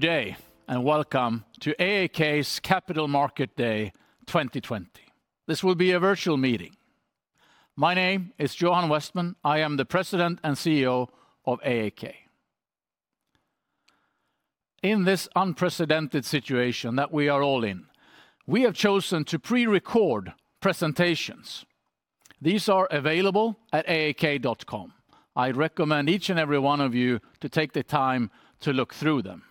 Good day. Welcome to AAK's Capital Market Day 2020. This will be a virtual meeting. My name is Johan Westman. I am the President and CEO of AAK. In this unprecedented situation that we are all in, we have chosen to pre-record presentations. These are available at aak.com. I recommend each and every one of you to take the time to look through them.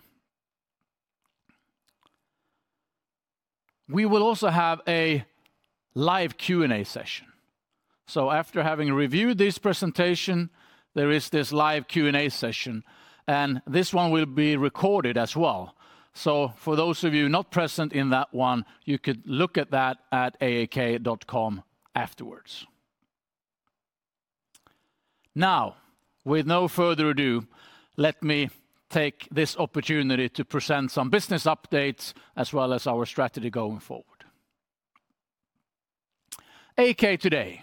We will also have a live Q&A session. After having reviewed this presentation, there is this live Q&A session, and this one will be recorded as well. For those of you not present in that one, you could look at that at aak.com afterwards. With no further ado, let me take this opportunity to present some business updates as well as our strategy going forward. AAK today,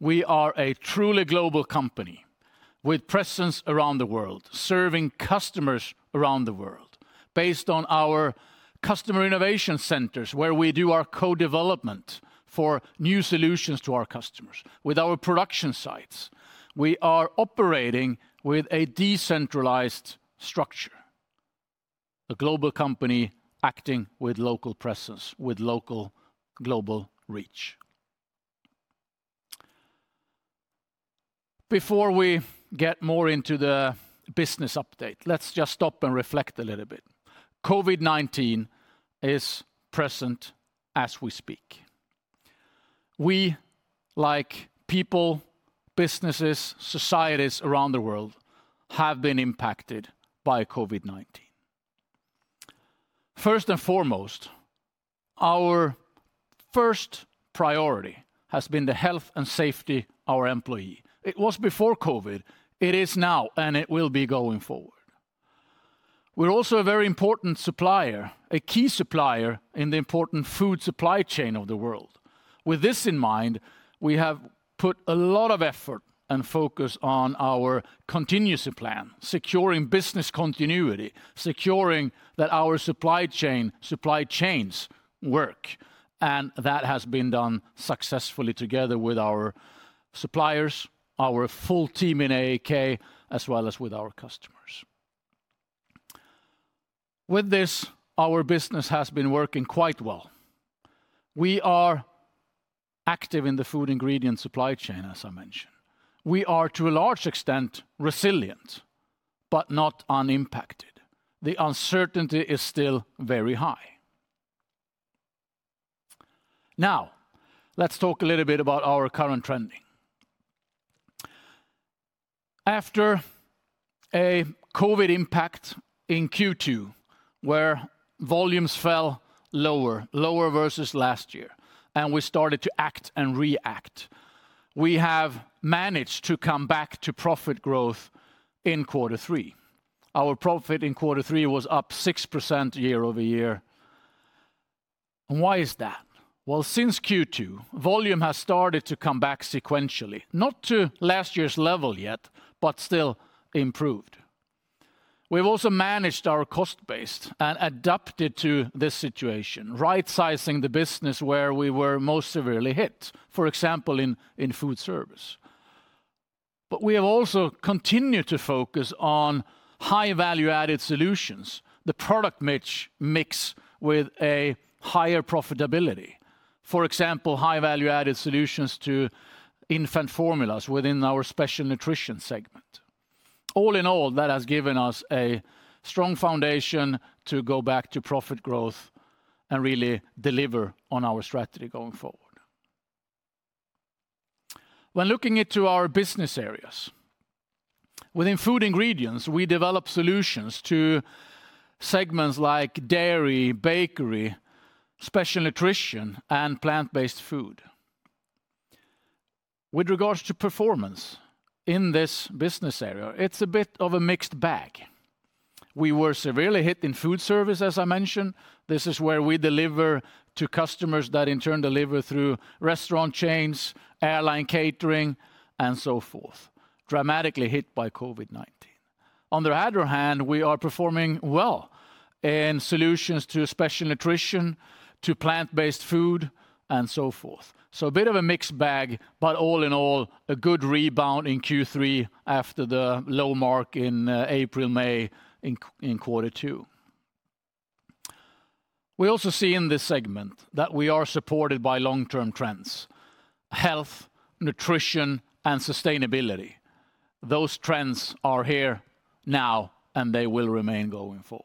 we are a truly global company with presence around the world, serving customers around the world based on our Customer Innovation Centre, where we do our co-development for new solutions to our customers with our production sites. We are operating with a decentralized structure, a global company acting with local presence, with local global reach. Before we get more into the business update, let's just stop and reflect a little bit. COVID-19 is present as we speak. We, like people, businesses, societies around the world have been impacted by COVID-19. First and foremost, our first priority has been the health and safety of our employee. It was before COVID, it is now, and it will be going forward. We're also a very important supplier, a key supplier in the important food supply chain of the world. With this in mind, we have put a lot of effort and focus on our contingency plan, securing business continuity, securing that our supply chains work, and that has been done successfully together with our suppliers, our full team in AAK, as well as with our customers. With this, our business has been working quite well. We are active in the Food Ingredients supply chain, as I mentioned. We are to a large extent resilient, but not unimpacted. The uncertainty is still very high. Let's talk a little bit about our current trending. After a COVID impact in Q2, where volumes fell lower versus last year, and we started to act and react, we have managed to come back to profit growth in quarter three. Our profit in quarter three was up 6% year-over-year. Why is that? Well, since Q2, volume has started to come back sequentially, not to last year's level yet, but still improved. We've also managed our cost base and adapted to this situation, right-sizing the business where we were most severely hit, for example, in foodservice. We have also continued to focus on high-value-added solutions, the product mix with a higher profitability. For example, high-value-added solutions to infant formulas within our Special Nutrition segment. All in all, that has given us a strong foundation to go back to profit growth and really deliver on our strategy going forward. When looking into our business areas, within Food Ingredients, we develop solutions to segments like dairy, bakery, Special Nutrition, and plant-based food. With regards to performance in this business area, it is a bit of a mixed bag. We were severely hit in food service, as I mentioned. This is where we deliver to customers that in turn deliver through restaurant chains, airline catering, and so forth. Dramatically hit by COVID-19. On the other hand, we are performing well in solutions to Special Nutrition, to plant-based food, and so forth. A bit of a mixed bag, but all in all, a good rebound in Q3 after the low mark in April, May in quarter two. We also see in this segment that we are supported by long-term trends, health, nutrition, and sustainability. Those trends are here now, and they will remain going forward.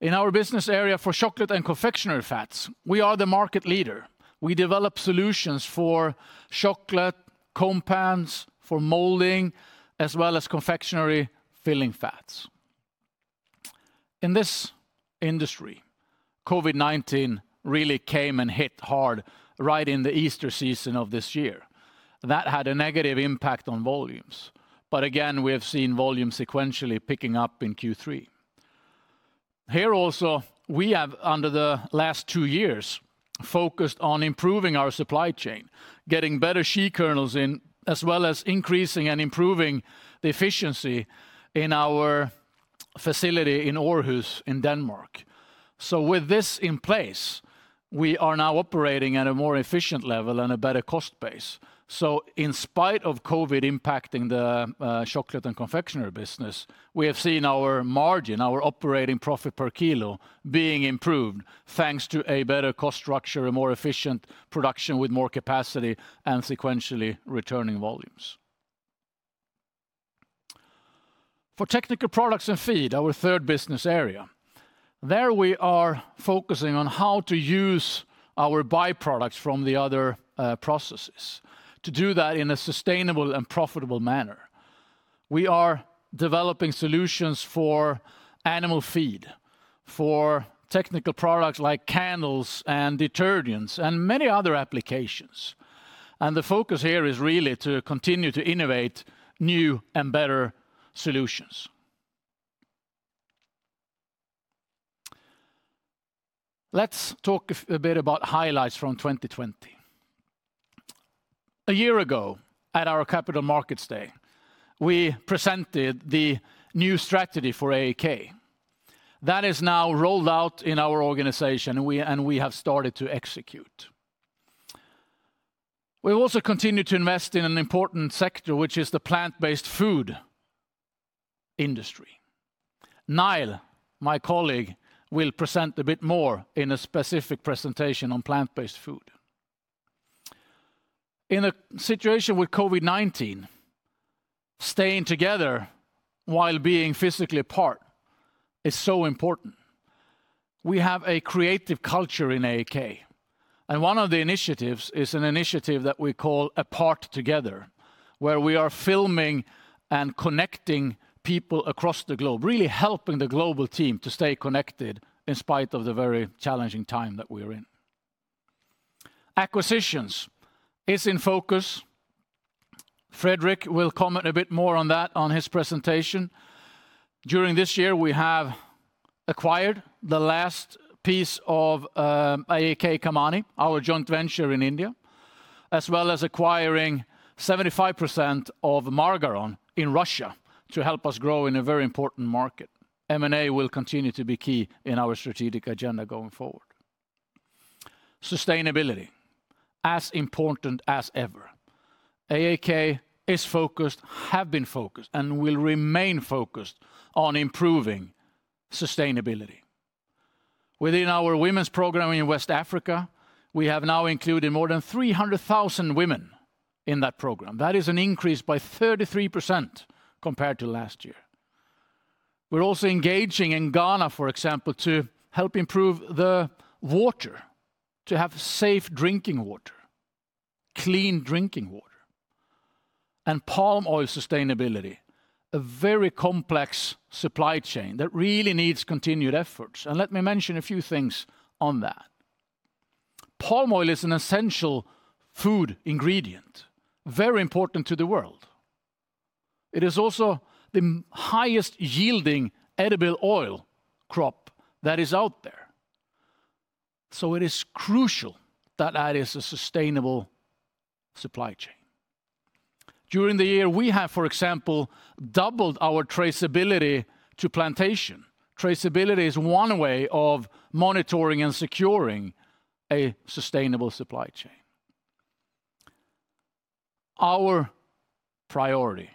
In our business area for Chocolate & Confectionery Fats, we are the market leader. We develop solutions for chocolate compounds, for molding, as well as confectionery filling fats. In this industry, COVID-19 really came and hit hard right in the Easter season of this year. That had a negative impact on volumes. Again, we have seen volumes sequentially picking up in Q3. Here also, we have, under the last two years, focused on improving our supply chain, getting better shea kernels in, as well as increasing and improving the efficiency in our facility in Aarhus, in Denmark. With this in place, we are now operating at a more efficient level and a better cost base. In spite of COVID impacting the Chocolate and Confectionery business, we have seen our margin, our operating profit per kilo being improved thanks to a better cost structure, a more efficient production with more capacity and sequentially returning volumes. For Technical Products & Feed, our third business area, there we are focusing on how to use our byproducts from the other processes to do that in a sustainable and profitable manner. We are developing solutions for animal feed, for technical products like candles and detergents, and many other applications. The focus here is really to continue to innovate new and better solutions. Let's talk a bit about highlights from 2020. A year ago, at our Capital Markets Day, we presented the new strategy for AAK. That is now rolled out in our organization, and we have started to execute. We've also continued to invest in an important sector, which is the plant-based food industry. Niall, my colleague, will present a bit more in a specific presentation on plant-based food. In a situation with COVID-19, staying together while being physically apart is so important. We have a creative culture in AAK, and one of the initiatives is an initiative that we call Apart Together, where we are filming and connecting people across the globe, really helping the global team to stay connected in spite of the very challenging time that we are in. Acquisitions is in focus. Fredrik will comment a bit more on that on his presentation. During this year, we have acquired the last piece of AAK Kamani, our joint venture in India, as well as acquiring 75% of Margaron in Russia to help us grow in a very important market. M&A will continue to be key in our strategic agenda going forward. Sustainability, as important as ever. AAK is focused, have been focused, and will remain focused on improving sustainability. Within our women's program in West Africa, we have now included more than 300,000 women in that program. That is an increase by 33% compared to last year. We're also engaging in Ghana, for example, to help improve the water, to have safe drinking water, clean drinking water. Palm oil sustainability, a very complex supply chain that really needs continued efforts, and let me mention a few things on that. Palm oil is an essential food ingredient, very important to the world. It is also the highest yielding edible oil crop that is out there. It is crucial that that is a sustainable supply chain. During the year, we have, for example, doubled our traceability to plantation. Traceability is one way of monitoring and securing a sustainable supply chain. Our priority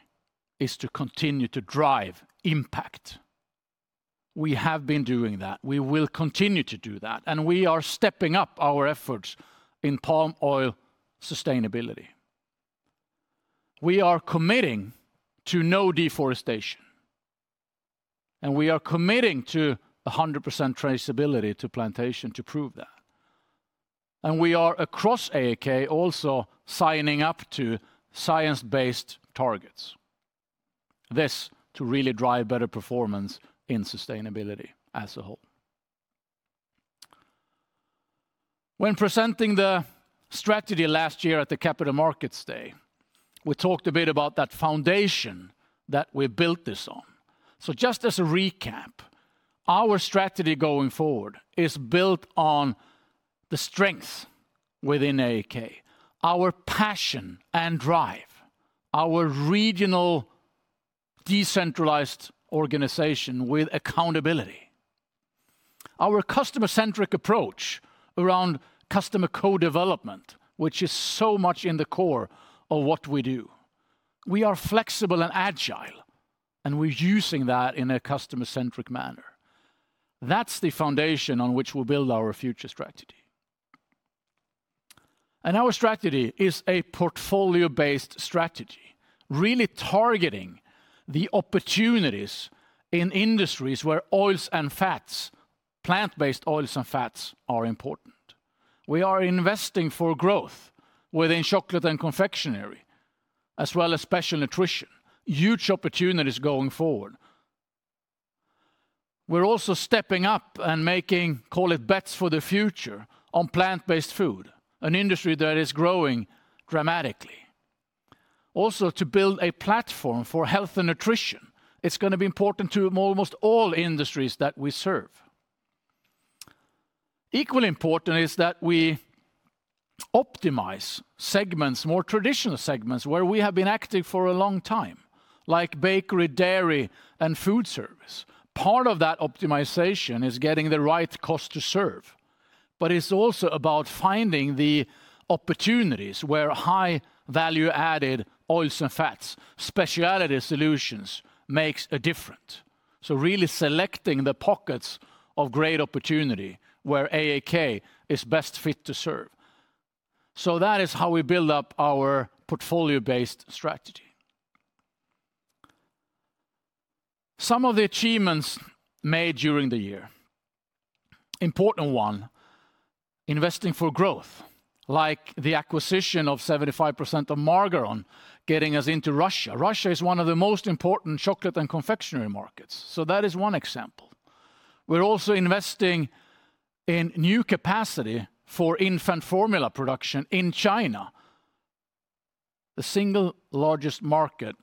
is to continue to drive impact. We have been doing that, we will continue to do that, and we are stepping up our efforts in palm oil sustainability. We are committing to no deforestation. We are committing to 100% traceability to plantation to prove that. We are, across AAK, also signing up to Science Based Targets. This, to really drive better performance in sustainability as a whole. When presenting the strategy last year at the Capital Markets Day, we talked a bit about that foundation that we built this on. Just as a recap, our strategy going forward is built on the strength within AAK, our passion and drive, our regional decentralized organization with accountability, our customer-centric approach around Customer Co-Development, which is so much in the core of what we do. We are flexible and agile. We're using that in a customer-centric manner. That's the foundation on which we'll build our future strategy. Our strategy is a portfolio-based strategy, really targeting the opportunities in industries where oils and fats, plant-based oils and fats, are important. We are investing for growth within Chocolate and Confectionery as well as Special Nutrition. Huge opportunities going forward. We're also stepping up and making, call it bets for the future on plant-based food, an industry that is growing dramatically. To build a platform for health and nutrition. It's going to be important to almost all industries that we serve. Equally important is that we optimize segments, more traditional segments, where we have been active for a long time, like bakery, dairy, and foodservice. Part of that optimization is getting the right cost to serve, but it's also about finding the opportunities where high-value-added oils and fats, specialty solutions makes a difference. Really selecting the pockets of great opportunity where AAK is best fit to serve. That is how we build up our portfolio-based strategy. Some of the achievements made during the year. Important one, investing for growth, like the acquisition of 75% of Margaron, getting us into Russia. Russia is one of the most important chocolate and confectionery markets. That is one example. We're also investing in new capacity for infant formula production in China, the single largest market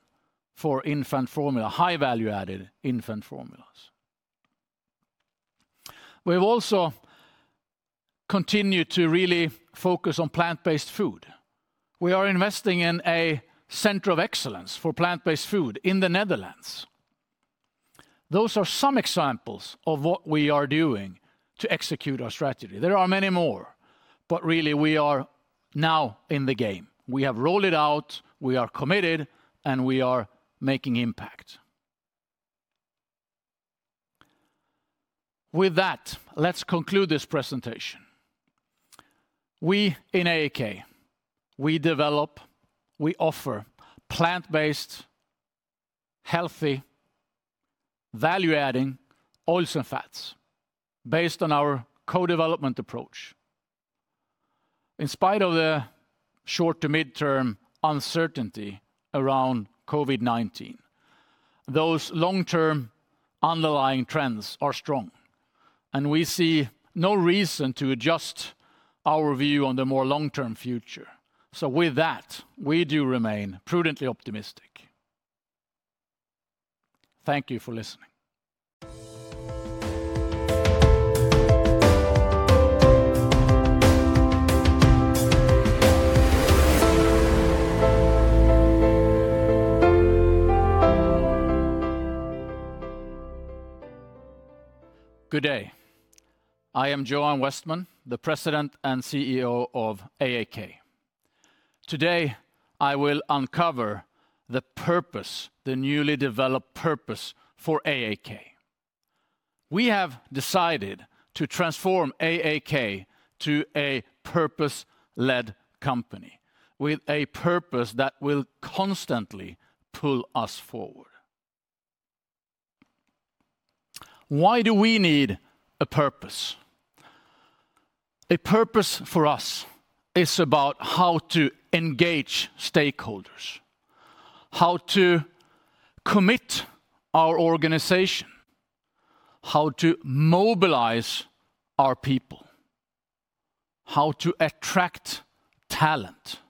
for infant formula, high-value-added infant formulas. We've also continued to really focus on plant-based food. We are investing in a center of excellence for plant-based food in the Netherlands. Those are some examples of what we are doing to execute our strategy. There are many more, really we are now in the game. We have rolled it out, we are committed, and we are making impact. With that, let's conclude this presentation. We in AAK, we develop, we offer plant-based, healthy, value-adding oils and fats based on our co-development approach. In spite of the short to mid-term uncertainty around COVID-19, those long-term underlying trends are strong, and we see no reason to adjust our view on the more long-term future. With that, we do remain prudently optimistic. Thank you for listening. Good day. I am Johan Westman, the President and CEO of AAK. Today, I will uncover the purpose, the newly developed purpose for AAK. We have decided to transform AAK to a purpose-led company with a purpose that will constantly pull us forward. Why do we need a purpose? A purpose for us is about how to engage stakeholders, how to commit our organization, how to mobilize our people, how to attract talent,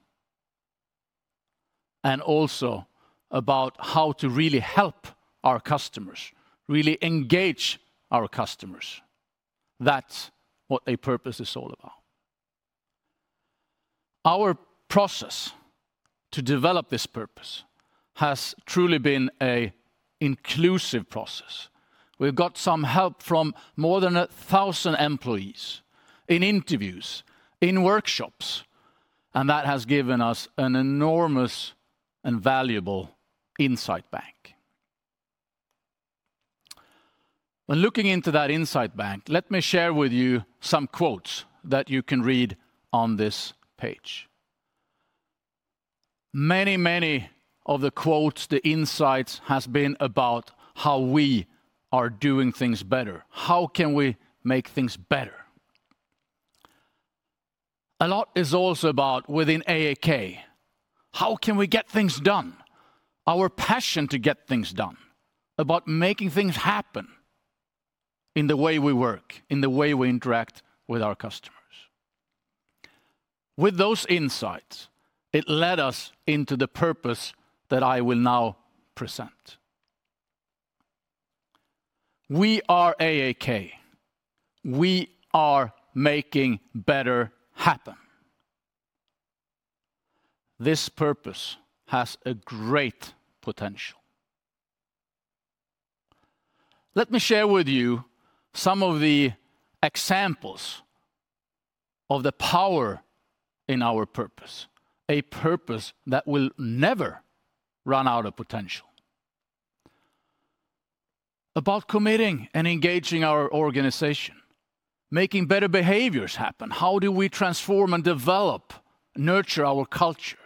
and also about how to really help our customers, really engage our customers. That's what a purpose is all about. Our process to develop this purpose has truly been an inclusive process. That has given us an enormous and valuable insight bank. When looking into that insight bank, let me share with you some quotes that you can read on this page. Many of the quotes, the insights has been about how we are doing things better. How can we make things better? A lot is also about within AAK, how can we get things done? Our passion to get things done, about making things happen in the way we work, in the way we interact with our customers. With those insights, it led us into the purpose that I will now present. We are AAK. We are Making Better Happen. This purpose has a great potential. Let me share with you some of the examples of the power in our purpose, a purpose that will never run out of potential. About committing and engaging our organization, making better behaviors happen. How do we transform and develop, nurture our culture?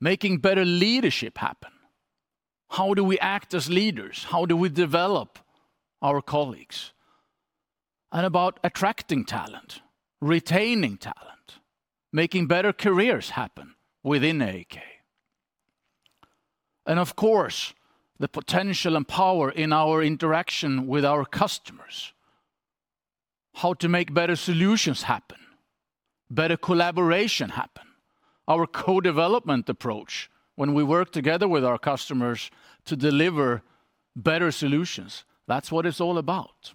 Making better leadership happen. How do we act as leaders? How do we develop our colleagues. About attracting talent, retaining talent, making better careers happen within AAK. Of course, the potential and power in our interaction with our customers. How to make better solutions happen, better collaboration happen. Our co-development approach when we work together with our customers to deliver better solutions, that's what it's all about.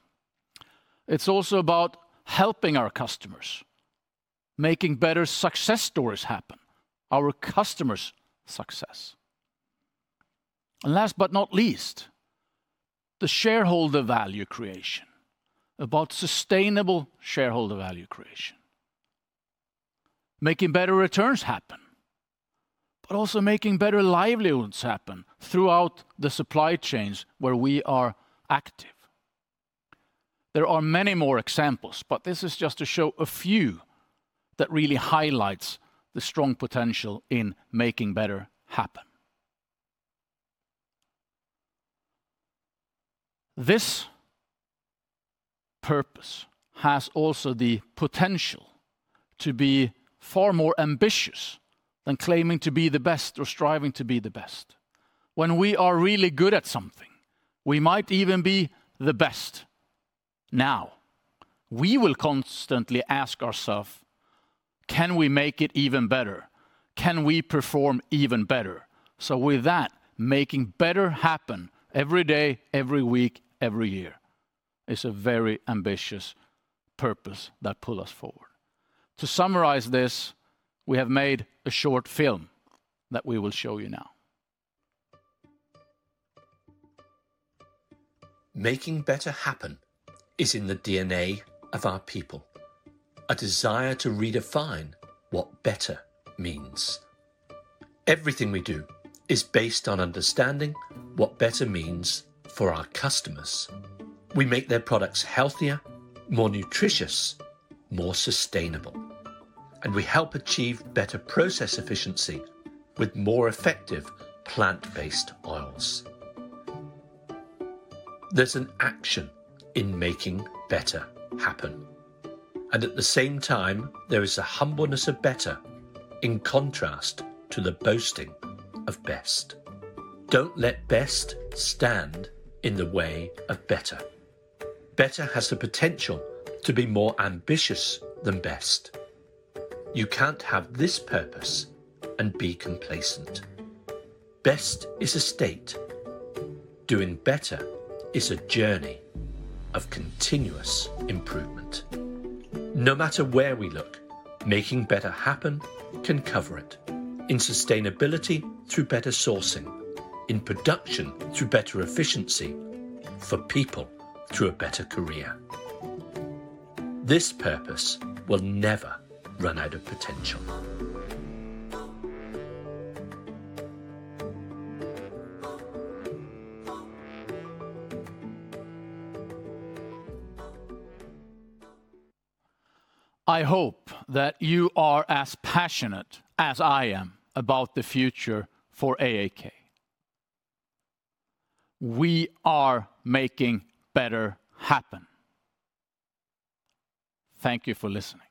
It's also about helping our customers, making better success stories happen, our customers' success. Last but not least, the shareholder value creation, about sustainable shareholder value creation. Making better returns happen, but also making better livelihoods happen throughout the supply chains where we are active. There are many more examples, but this is just to show a few that really highlights the strong potential in Making Better Happen. This purpose has also the potential to be far more ambitious than claiming to be the best or striving to be the best. When we are really good at something, we might even be the best. Now, we will constantly ask ourselves, can we make it even better? Can we perform even better? With that, Making Better Happen every day, every week, every year is a very ambitious purpose that pulls us forward. To summarize this, we have made a short film that we will show you now. Making Better Happen is in the DNA of our people, a desire to redefine what better means. Everything we do is based on understanding what better means for our customers. We make their products healthier, more nutritious, more sustainable, and we help achieve better process efficiency with more effective plant-based oils. There's an action in Making Better Happen, and at the same time, there is a humbleness of better in contrast to the boasting of best. Don't let best stand in the way of better. Better has the potential to be more ambitious than best. You can't have this purpose and be complacent. Best is a state. Doing better is a journey of continuous improvement. No matter where we look, Making Better Happen can cover it. In sustainability through better sourcing, in production through better efficiency, for people through a better career. This purpose will never run out of potential. I hope that you are as passionate as I am about the future for AAK. We are Making Better Happen. Thank you for listening.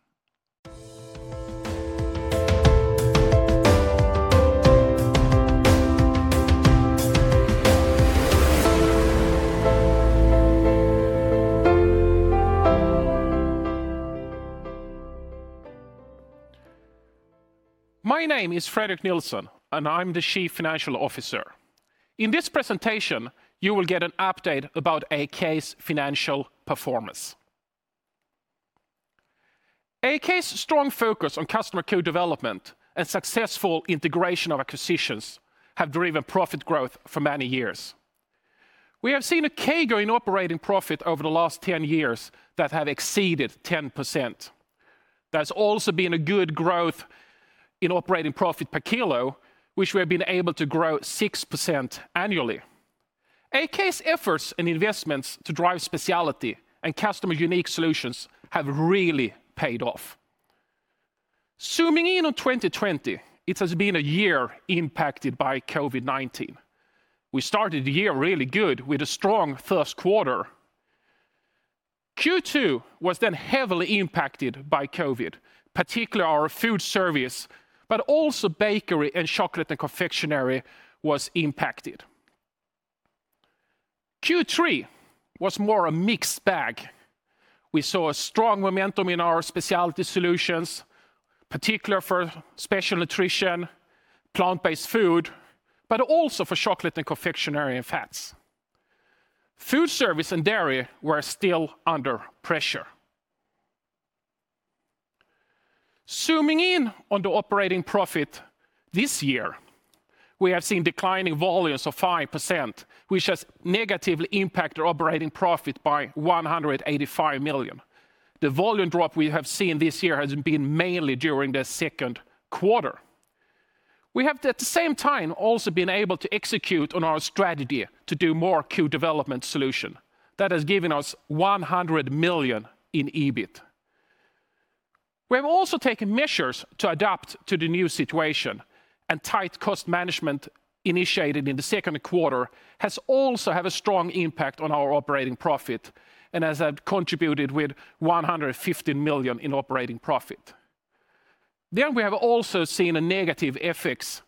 My name is Fredrik Nilsson, and I'm the Chief Financial Officer. In this presentation, you will get an update about AAK's financial performance. AAK's strong focus on Customer Co-Development and successful integration of acquisitions have driven profit growth for many years. We have seen a CAGR in operating profit over the last 10 years that have exceeded 10%. There's also been a good growth in operating profit per kilo, which we have been able to grow 6% annually. AAK's efforts and investments to drive specialty and customer-unique solutions have really paid off. Zooming in on 2020, it has been a year impacted by COVID-19. We started the year really good with a strong first quarter. Q2 was heavily impacted by COVID-19, particularly our food service, but also bakery and Chocolate and Confectionery was impacted. Q3 was more a mixed bag. We saw a strong momentum in our specialty solutions, particular for Special Nutrition, Plant-based Food, but also for Chocolate and Confectionery Fats. Food service and dairy were still under pressure. Zooming in on the operating profit this year, we have seen declining volumes of 5%, which has negatively impacted our operating profit by 185 million. The volume drop we have seen this year has been mainly during the second quarter. We have at the same time also been able to execute on our strategy to do more co-development solution. That has given us 100 million in EBIT. We have also taken measures to adapt to the new situation. Tight cost management initiated in the second quarter has also had a strong impact on our operating profit and has contributed with 150 million in operating profit. We have also seen a negative FX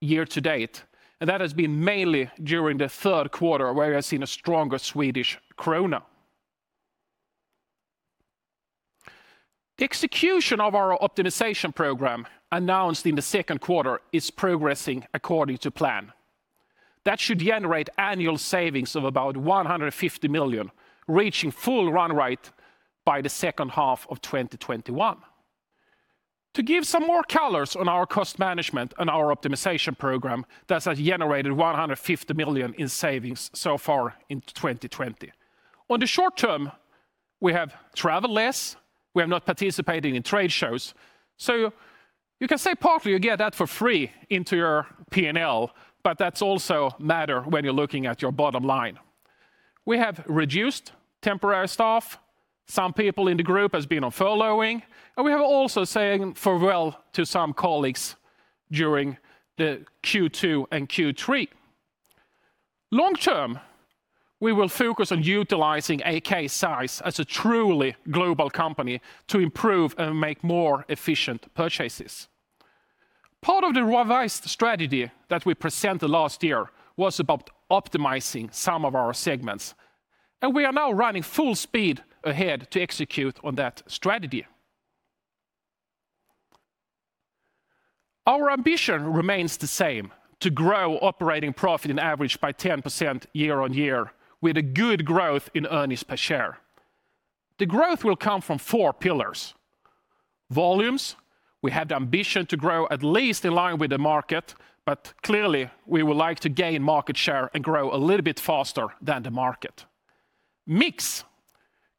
year-to date, and that has been mainly during the third quarter, where we have seen a stronger Swedish krona. The execution of our optimization program announced in the second quarter is progressing according to plan. That should generate annual savings of about 150 million, reaching full run rate by the second half of 2021. To give some more colors on our cost management and our optimization program that has generated 150 million in savings so far in 2020. On the short term, we have traveled less. We have not participated in trade shows. You can say partly you get that for free into your P&L, but that's also matter when you're looking at your bottom line. We have reduced temporary staff. Some people in the group have been on furloughing, and we have also saying farewell to some colleagues during the Q2 and Q3. Long term, we will focus on utilizing AAK size as a truly global company to improve and make more efficient purchases. Part of the revised strategy that we presented last year was about optimizing some of our segments, and we are now running full speed ahead to execute on that strategy. Our ambition remains the same, to grow operating profit on average by 10% year-on-year with a good growth in earnings per share. The growth will come from four pillars. Volumes, we have the ambition to grow at least in line with the market, but clearly we would like to gain market share and grow a little bit faster than the market. Mix,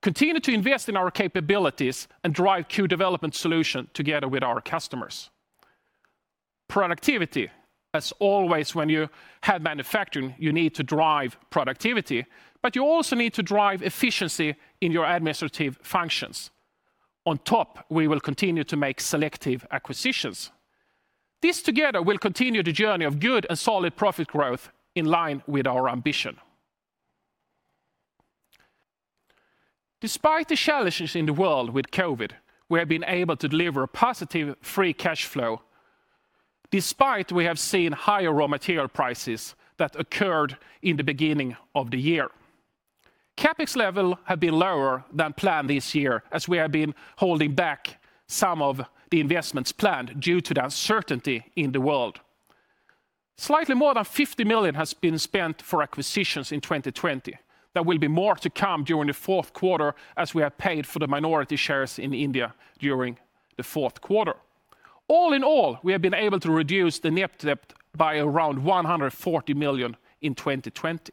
continue to invest in our capabilities and drive co-development solution together with our customers. Productivity, as always when you have manufacturing, you need to drive productivity, but you also need to drive efficiency in your administrative functions. On top, we will continue to make selective acquisitions. This together will continue the journey of good and solid profit growth in line with our ambition. Despite the challenges in the world with COVID-19, we have been able to deliver a positive free cash flow despite we have seen higher raw material prices that occurred in the beginning of the year. CapEx level have been lower than planned this year, as we have been holding back some of the investments planned due to the uncertainty in the world. Slightly more than 50 million has been spent for acquisitions in 2020. There will be more to come during the fourth quarter, as we have paid for the minority shares in India during the fourth quarter. All in all, we have been able to reduce the net debt by around 140 million in 2020.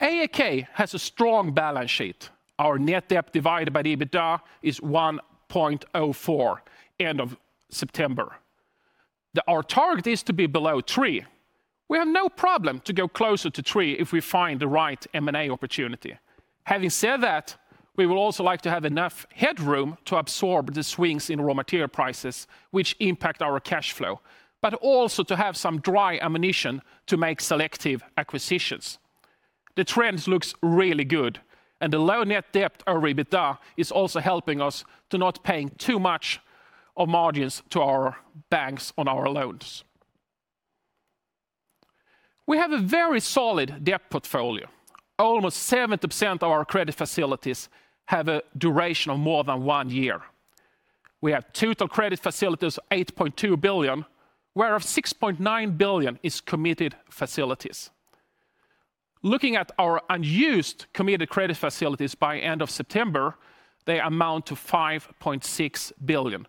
AAK has a strong balance sheet. Our net debt divided by the EBITDA is 1.04 end of September. Our target is to be below three. We have no problem to go closer to three if we find the right M&A opportunity. Having said that, we will also like to have enough headroom to absorb the swings in raw material prices, which impact our cash flow. Also to have some dry ammunition to make selective acquisitions. The trend looks really good, and the low net debt or EBITDA is also helping us to not paying too much of margins to our banks on our loans. We have a very solid debt portfolio. Almost 70% of our credit facilities have a duration of more than one year. We have total credit facilities, 8.2 billion, where of 6.9 billion is committed facilities. Looking at our unused committed credit facilities by end of September, they amount to 5.6 billion.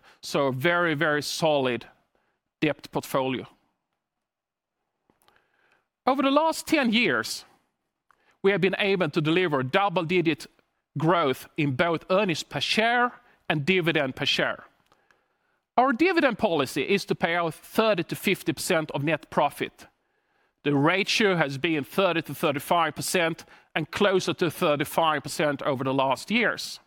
Very solid debt portfolio. Over the last 10 years, we have been able to deliver double-digit growth in both earnings per share and dividend per share. Our dividend policy is to pay out 30%-50% of net profit. The ratio has been 30%-35% and closer to 35% over the last years.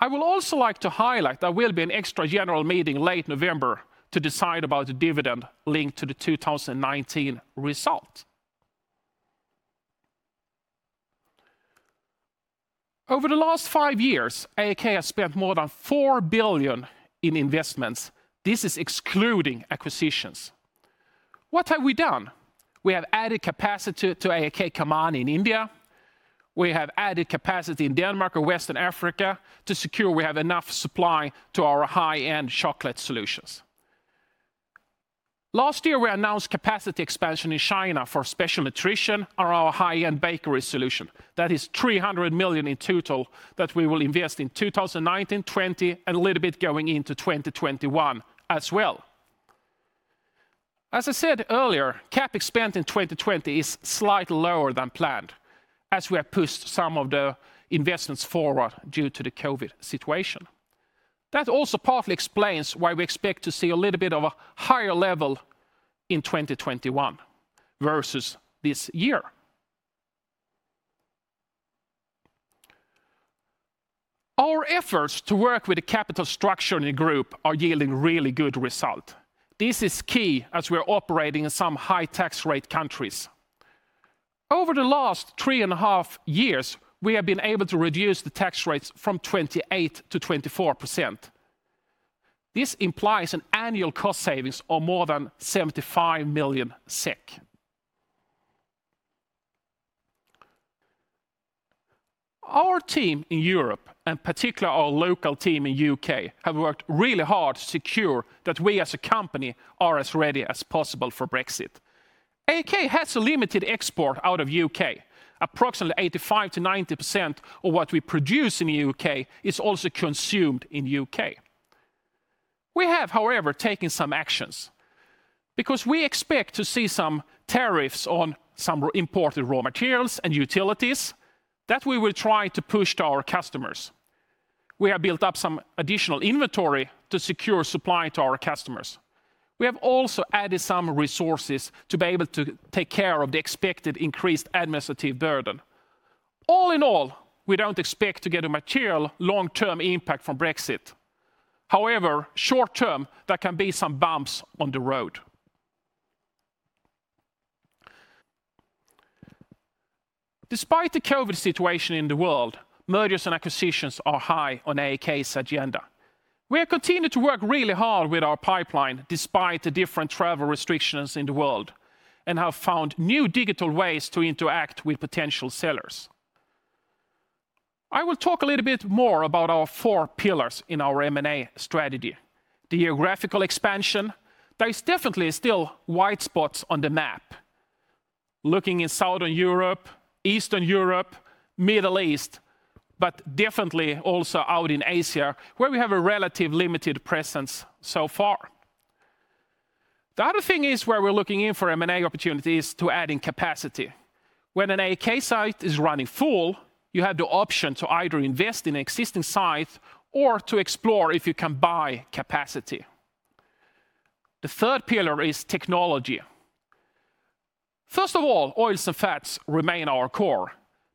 I would also like to highlight there will be an extra general meeting late November to decide about the dividend linked to the 2019 result. Over the last five years, AAK has spent more than 4 billion in investments. This is excluding acquisitions. What have we done? We have added capacity to AAK Kamani in India. We have added capacity in Denmark or West Africa to secure we have enough supply to our high-end chocolate solutions. Last year, we announced capacity expansion in China for Special Nutrition on our high-end bakery solution. That is 300 million in total that we will invest in 2019, 2020, and a little bit going into 2021 as well. As I said earlier, CapEx spend in 2020 is slightly lower than planned, as we have pushed some of the investments forward due to the COVID situation. That also partly explains why we expect to see a little bit of a higher level in 2021 versus this year. Our efforts to work with the capital structure in the group are yielding really good result. This is key as we're operating in some high tax rate countries. Over the last 3.5 Years, we have been able to reduce the tax rates from 28% to 24%. This implies an annual cost savings of more than 75 million SEK. Our team in Europe, and particular our local team in U.K., have worked really hard to secure that we as a company are as ready as possible for Brexit. AAK has a limited export out of U.K. Approximately 85%-90% of what we produce in the U.K. is also consumed in U.K. We have, however, taken some actions because we expect to see some tariffs on some imported raw materials and utilities that we will try to push to our customers. We have built up some additional inventory to secure supply to our customers. We have also added some resources to be able to take care of the expected increased administrative burden. All in all, we don't expect to get a material long-term impact from Brexit. However, short term, there can be some bumps on the road. Despite the COVID-19 situation in the world, mergers and acquisitions are high on AAK's agenda. We are continuing to work really hard with our pipeline despite the different travel restrictions in the world and have found new digital ways to interact with potential sellers. I will talk a little bit more about our four pillars in our M&A strategy. Geographical expansion. There is definitely still white spots on the map looking in Southern Europe, Eastern Europe, Middle East, but definitely also out in Asia where we have a relative limited presence so far. The other thing is where we are looking in for M&A opportunities to adding capacity. When an AAK site is running full, you have the option to either invest in existing site or to explore if you can buy capacity. The third pillar is technology. First of all, oils and fats remain our core,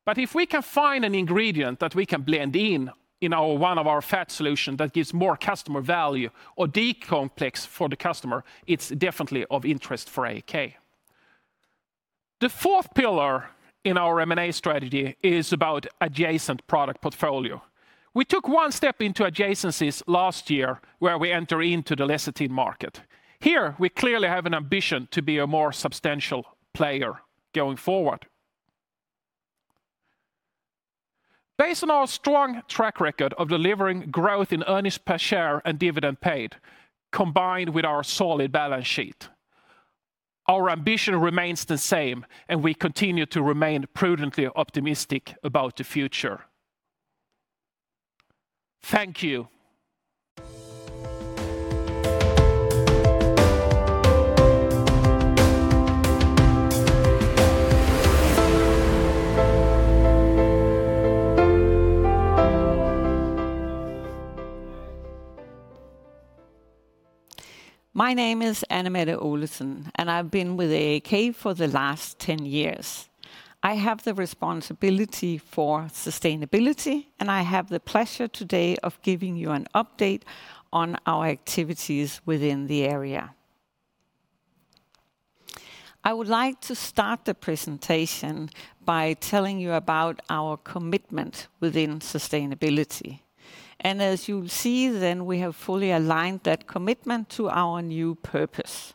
but if we can find an ingredient that we can blend in in one of our fat solution that gives more customer value or decomplex for the customer, it is definitely of interest for AAK. The fourth pillar in our M&A strategy is about adjacent product portfolio. We took one step into adjacencies last year where we enter into the lecithin market. Here, we clearly have an ambition to be a more substantial player going forward. Based on our strong track record of delivering growth in earnings per share and dividend paid, combined with our solid balance sheet, our ambition remains the same, and we continue to remain prudently optimistic about the future. Thank you. My name is Anne Mette Olesen, and I've been with AAK for the last 10 years. I have the responsibility for sustainability, and I have the pleasure today of giving you an update on our activities within the area. I would like to start the presentation by telling you about our commitment within sustainability, and as you'll see then, we have fully aligned that commitment to our new purpose.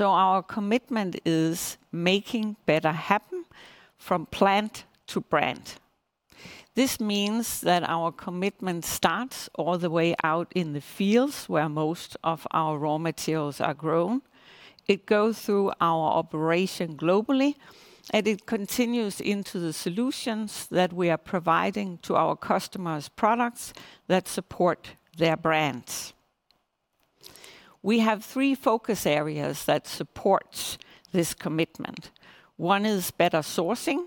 Our commitment is Making Better Happen from plant to brand. This means that our commitment starts all the way out in the fields where most of our raw materials are grown. It goes through our operation globally, and it continues into the solutions that we are providing to our customers' products that support their brands. We have three focus areas that support this commitment. One is better sourcing.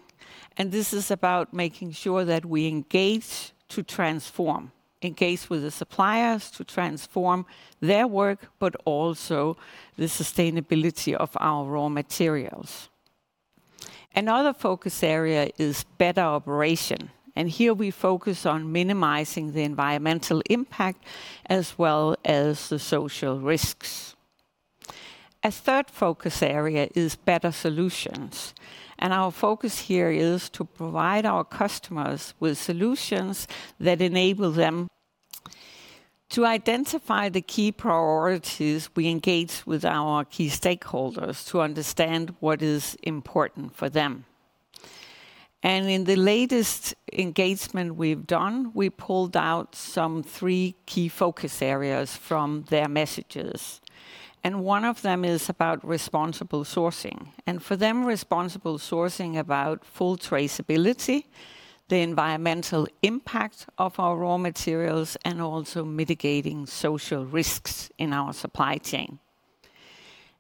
This is about making sure that we Engage to Transform, engage with the suppliers to transform their work, but also the sustainability of our raw materials. Another focus area is better operation. Here we focus on minimizing the environmental impact as well as the social risks. A third focus area is better solutions. Our focus here is to provide our customers with solutions that enable them. To identify the key priorities, we engage with our key stakeholders to understand what is important for them. In the latest engagement we've done, we pulled out some three key focus areas from their messages. One of them is about responsible sourcing. For them, responsible sourcing about full traceability, the environmental impact of our raw materials, and also mitigating social risks in our supply chain.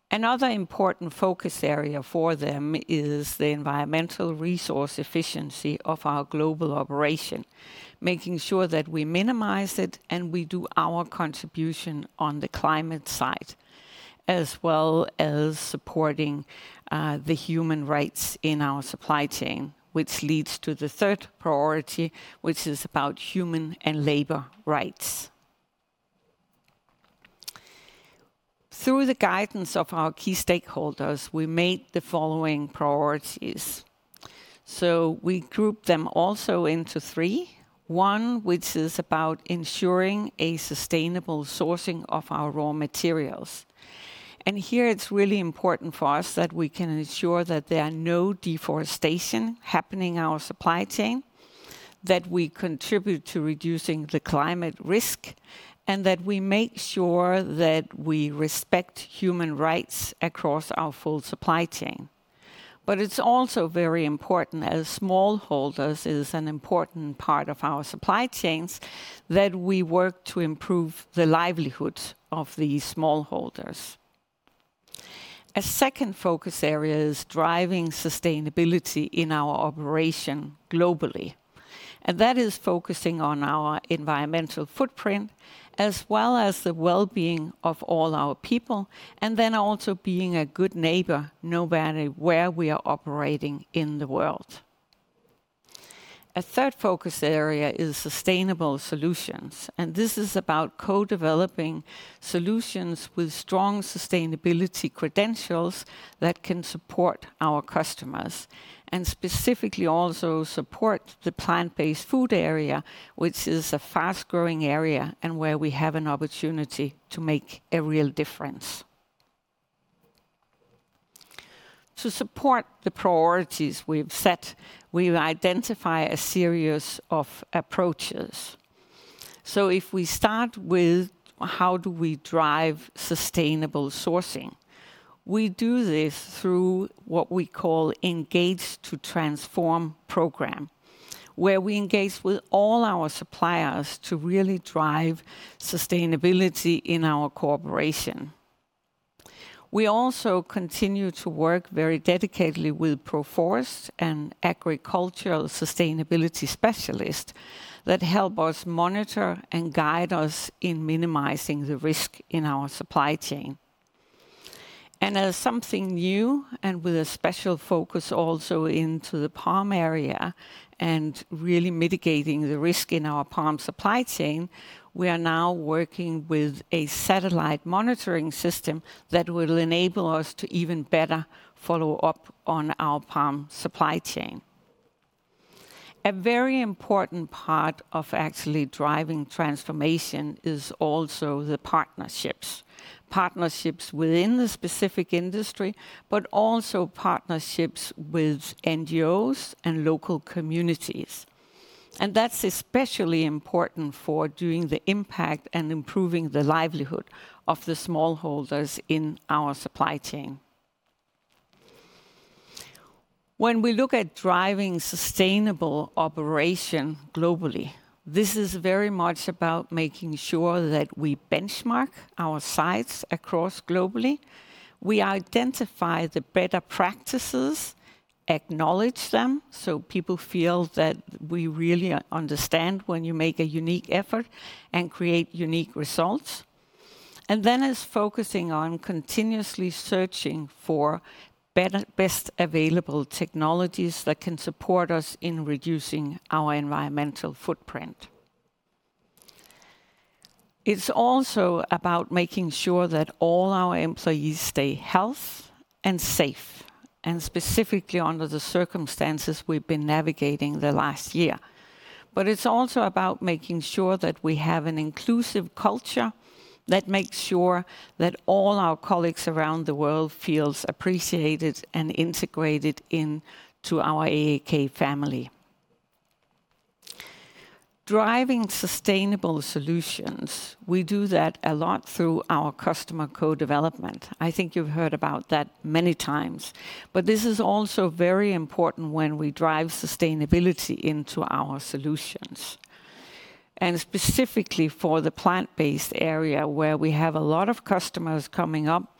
Another important focus area for them is the environmental resource efficiency of our global operation, making sure that we minimize it, and we do our contribution on the climate side, as well as supporting the human rights in our supply chain. Which leads to the third priority, which is about human and labor rights. Through the guidance of our key stakeholders, we made the following priorities. We group them also into three. One, which is about ensuring a sustainable sourcing of our raw materials. Here it's really important for us that we can ensure that there are no deforestation happening in our supply chain, that we contribute to reducing the climate risk, and that we make sure that we respect human rights across our full supply chain. It's also very important, as smallholders is an important part of our supply chains, that we work to improve the livelihoods of these smallholders. A second focus area is driving sustainability in our operation globally. That is focusing on our environmental footprint, as well as the well-being of all our people, and then also being a good neighbor no matter where we are operating in the world. A third focus area is sustainable solutions. This is about co-developing solutions with strong sustainability credentials that can support our customers. Specifically also support the plant-based food area, which is a fast-growing area, and where we have an opportunity to make a real difference. To support the priorities we've set, we've identified a series of approaches. If we start with, how do we drive sustainable sourcing? We do this through what we call Engage to Transform program, where we engage with all our suppliers to really drive sustainability in our corporation. We also continue to work very dedicatedly with Proforest and agricultural sustainability specialists that help us monitor and guide us in minimizing the risk in our supply chain. As something new, and with a special focus also into the palm area and really mitigating the risk in our palm supply chain, we are now working with a satellite monitoring system that will enable us to even better follow up on our palm supply chain. A very important part of actually driving transformation is also the partnerships. Partnerships within the specific industry, but also partnerships with NGOs and local communities. That's especially important for doing the impact and improving the livelihood of the smallholders in our supply chain. When we look at driving sustainable operation globally, this is very much about making sure that we benchmark our sites across globally. We identify the better practices, acknowledge them, so people feel that we really understand when you make a unique effort and create unique results. Then it's focusing on continuously searching for best available technologies that can support us in reducing our environmental footprint. It's also about making sure that all our employees stay healthy and safe, and specifically under the circumstances we've been navigating the last year. It's also about making sure that we have an inclusive culture that makes sure that all our colleagues around the world feel appreciated and integrated into our AAK family. Driving sustainable solutions, we do that a lot through our Customer Co-Development. I think you've heard about that many times. This is also very important when we drive sustainability into our solutions, and specifically for the plant-based area where we have a lot of customers coming up,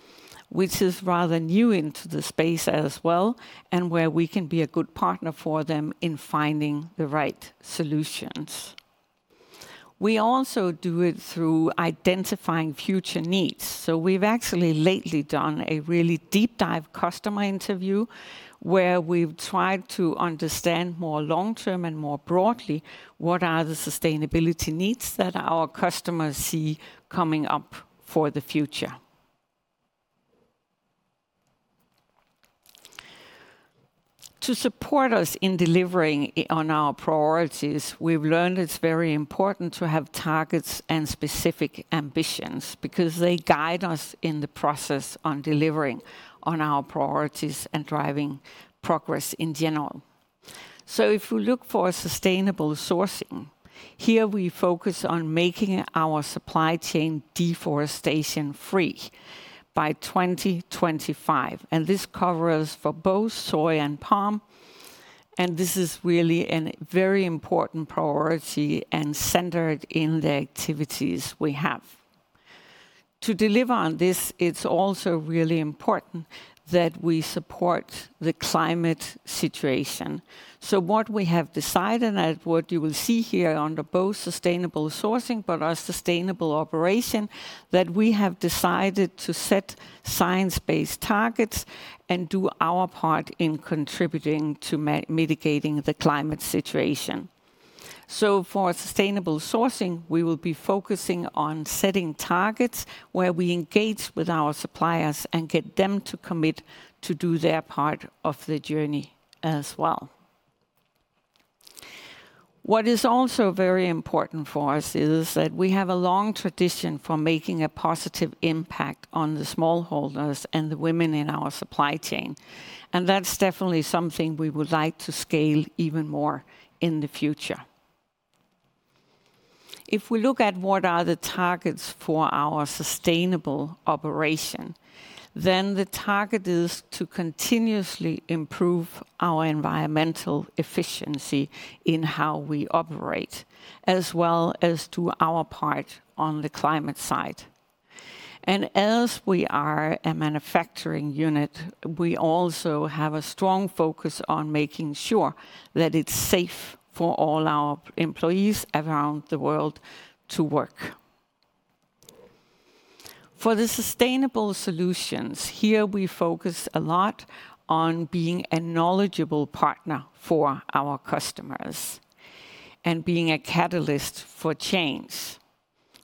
which is rather new into the space as well, and where we can be a good partner for them in finding the right solutions. We also do it through identifying future needs. We've actually lately done a really deep dive customer interview where we've tried to understand more long-term and more broadly, what are the sustainability needs that our customers see coming up for the future. To support us in delivering on our priorities, we've learned it's very important to have targets and specific ambitions because they guide us in the process on delivering on our priorities and driving progress in general. If we look for sustainable sourcing, here we focus on making our supply chain deforestation free by 2025, and this covers for both soy and palm. This is really a very important priority and centered in the activities we have. To deliver on this, it's also really important that we support the climate situation. What we have decided and what you will see here under both sustainable sourcing but our sustainable operation, that we have decided to set Science Based Targets and do our part in contributing to mitigating the climate situation. For sustainable sourcing, we will be focusing on setting targets where we engage with our suppliers and get them to commit to do their part of the journey as well. What is also very important for us is that we have a long tradition for making a positive impact on the smallholders and the women in our supply chain, and that's definitely something we would like to scale even more in the future. If we look at what are the targets for our sustainable operation, the target is to continuously improve our environmental efficiency in how we operate, as well as do our part on the climate side. As we are a manufacturing unit, we also have a strong focus on making sure that it's safe for all our employees around the world to work. For the sustainable solutions, here we focus a lot on being a knowledgeable partner for our customers and being a catalyst for change.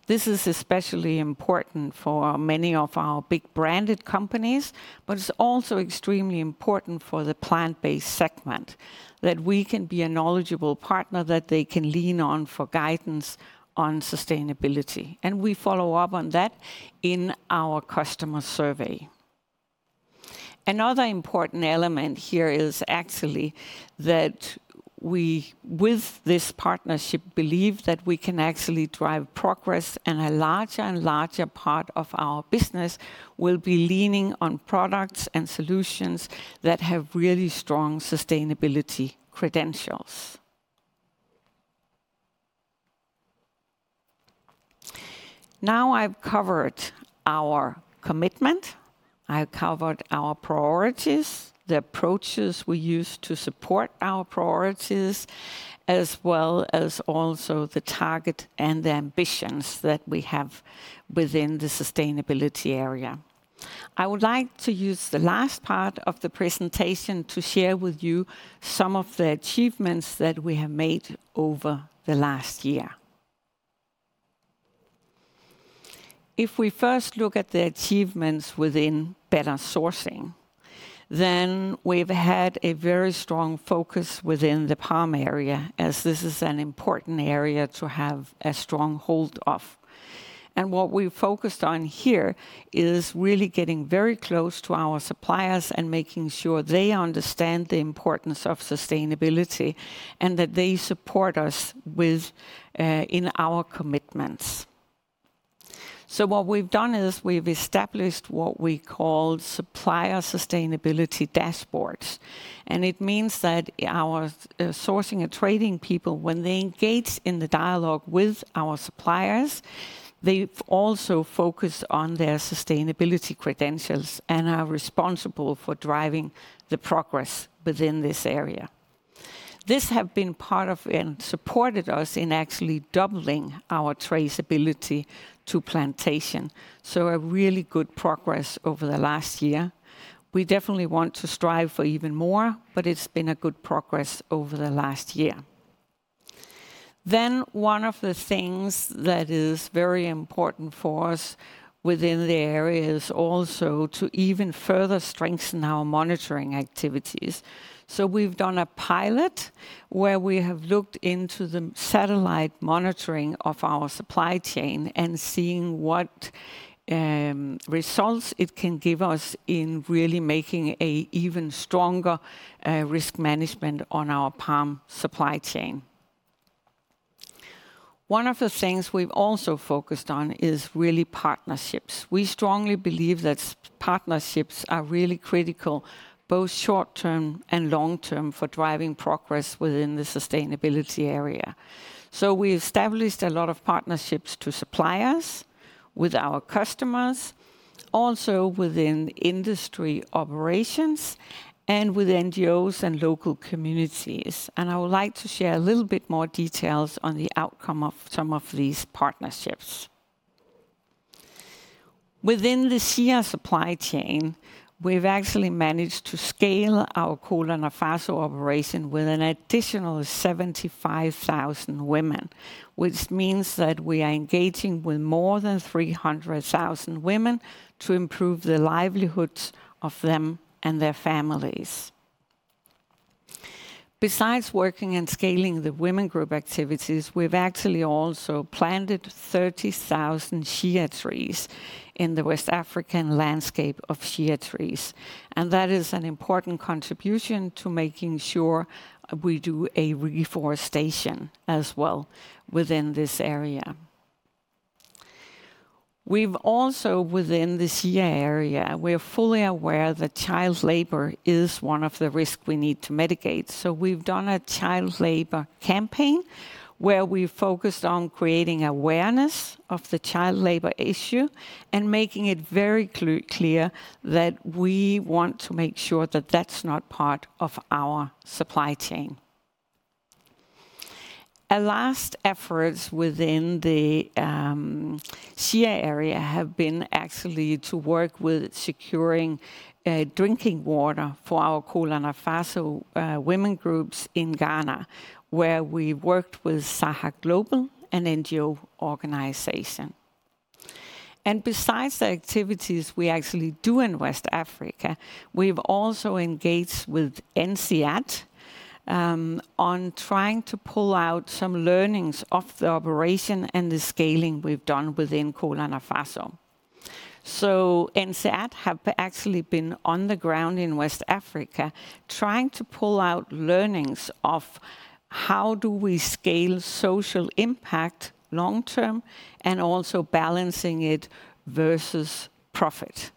This is especially important for many of our big branded companies, but it's also extremely important for the plant-based segment that we can be a knowledgeable partner that they can lean on for guidance on sustainability, and we follow up on that in our customer survey. Another important element here is actually that we, with this partnership, believe that we can actually drive progress, and a larger and larger part of our business will be leaning on products and solutions that have really strong sustainability credentials. Now I've covered our commitment, I've covered our priorities, the approaches we use to support our priorities, as well as also the target and the ambitions that we have within the sustainability area. I would like to use the last part of the presentation to share with you some of the achievements that we have made over the last year. We first look at the achievements within better sourcing, we've had a very strong focus within the palm area as this is an important area to have a strong hold of. What we've focused on here is really getting very close to our suppliers and making sure they understand the importance of sustainability and that they support us in our commitments. What we've done is we've established what we call supplier sustainability dashboards, and it means that our sourcing and trading people, when they engage in the dialogue with our suppliers, they also focus on their sustainability credentials and are responsible for driving the progress within this area. This has been part of and supported us in actually doubling our traceability to plantation. A really good progress over the last year. We definitely want to strive for even more, but it's been a good progress over the last year. One of the things that is very important for us within the area is also to even further strengthen our monitoring activities. We've done a pilot where we have looked into the satellite monitoring of our supply chain and seeing what results it can give us in really making an even stronger risk management on our palm supply chain. One of the things we've also focused on is really partnerships. We strongly believe that partnerships are really critical, both short-term and long-term, for driving progress within the sustainability area. We established a lot of partnerships to suppliers, with our customers, also within industry operations, and with NGOs and local communities. I would like to share a little bit more details on the outcome of some of these partnerships. Within the Shea supply chain, we've actually managed to scale our Côte d'Ivoire operation with an additional 75,000 women, which means that we are engaging with more than 300,000 women to improve the livelihoods of them and their families. Besides working and scaling the women group activities, we've actually also planted 30,000 Shea trees in the West African landscape of Shea trees. That is an important contribution to making sure we do a reforestation as well within this area. We've also, within the Shea area, we're fully aware that child labor is one of the risks we need to mitigate. We've done a child labor campaign where we focused on creating awareness of the child labor issue and making it very clear that we want to make sure that that's not part of our supply chain. Our last efforts within the shea area have been actually to work with securing drinking water for our Kolo Nafaso women groups in Ghana, where we worked with Saha Global, an NGO organization. Besides the activities we actually do in West Africa, we've also engaged with INSEAD on trying to pull out some learnings of the operation and the scaling we've done within Kolo Nafaso. INSEAD have actually been on the ground in West Africa trying to pull out learnings of how do we scale social impact long-term and also balancing it versus profit.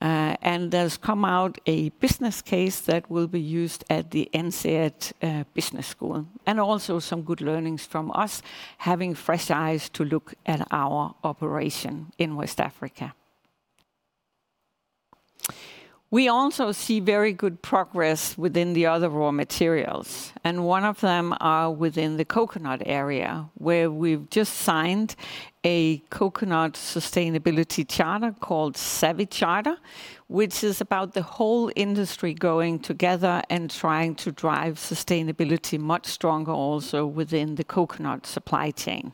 There's come out a business case that will be used at the INSEAD Business School, and also some good learnings from us having fresh eyes to look at our operation in West Africa. We also see very good progress within the other raw materials, and one of them are within the coconut area, where we've just signed a coconut sustainability charter called Savi Charter, which is about the whole industry going together and trying to drive sustainability much stronger also within the coconut supply chain.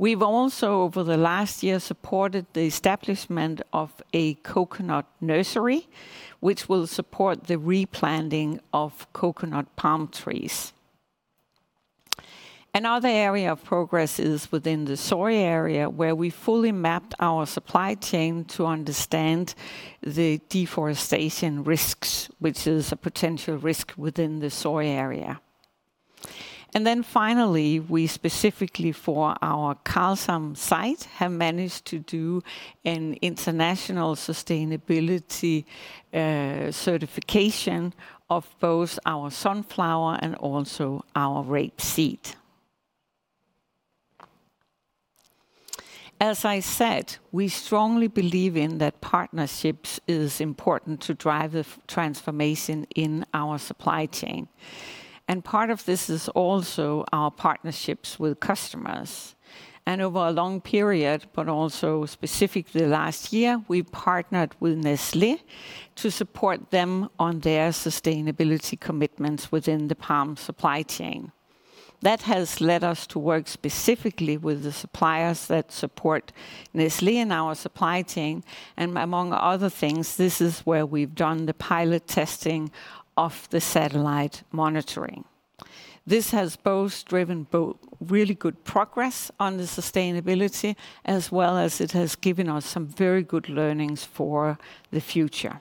We've also, over the last year, supported the establishment of a coconut nursery, which will support the replanting of coconut palm trees. Another area of progress is within the soy area, where we fully mapped our supply chain to understand the deforestation risks, which is a potential risk within the soy area. Finally, we specifically for our Karlshamn site, have managed to do an international sustainability certification of both our sunflower and also our rapeseed. As I said, we strongly believe in that partnerships is important to drive the transformation in our supply chain. Part of this is also our partnerships with customers. Over a long period, but also specifically last year, we partnered with Nestlé to support them on their sustainability commitments within the palm supply chain. That has led us to work specifically with the suppliers that support Nestlé in our supply chain, and among other things, this is where we've done the pilot testing of the satellite monitoring. This has driven both really good progress on the sustainability as well as it has given us some very good learnings for the future.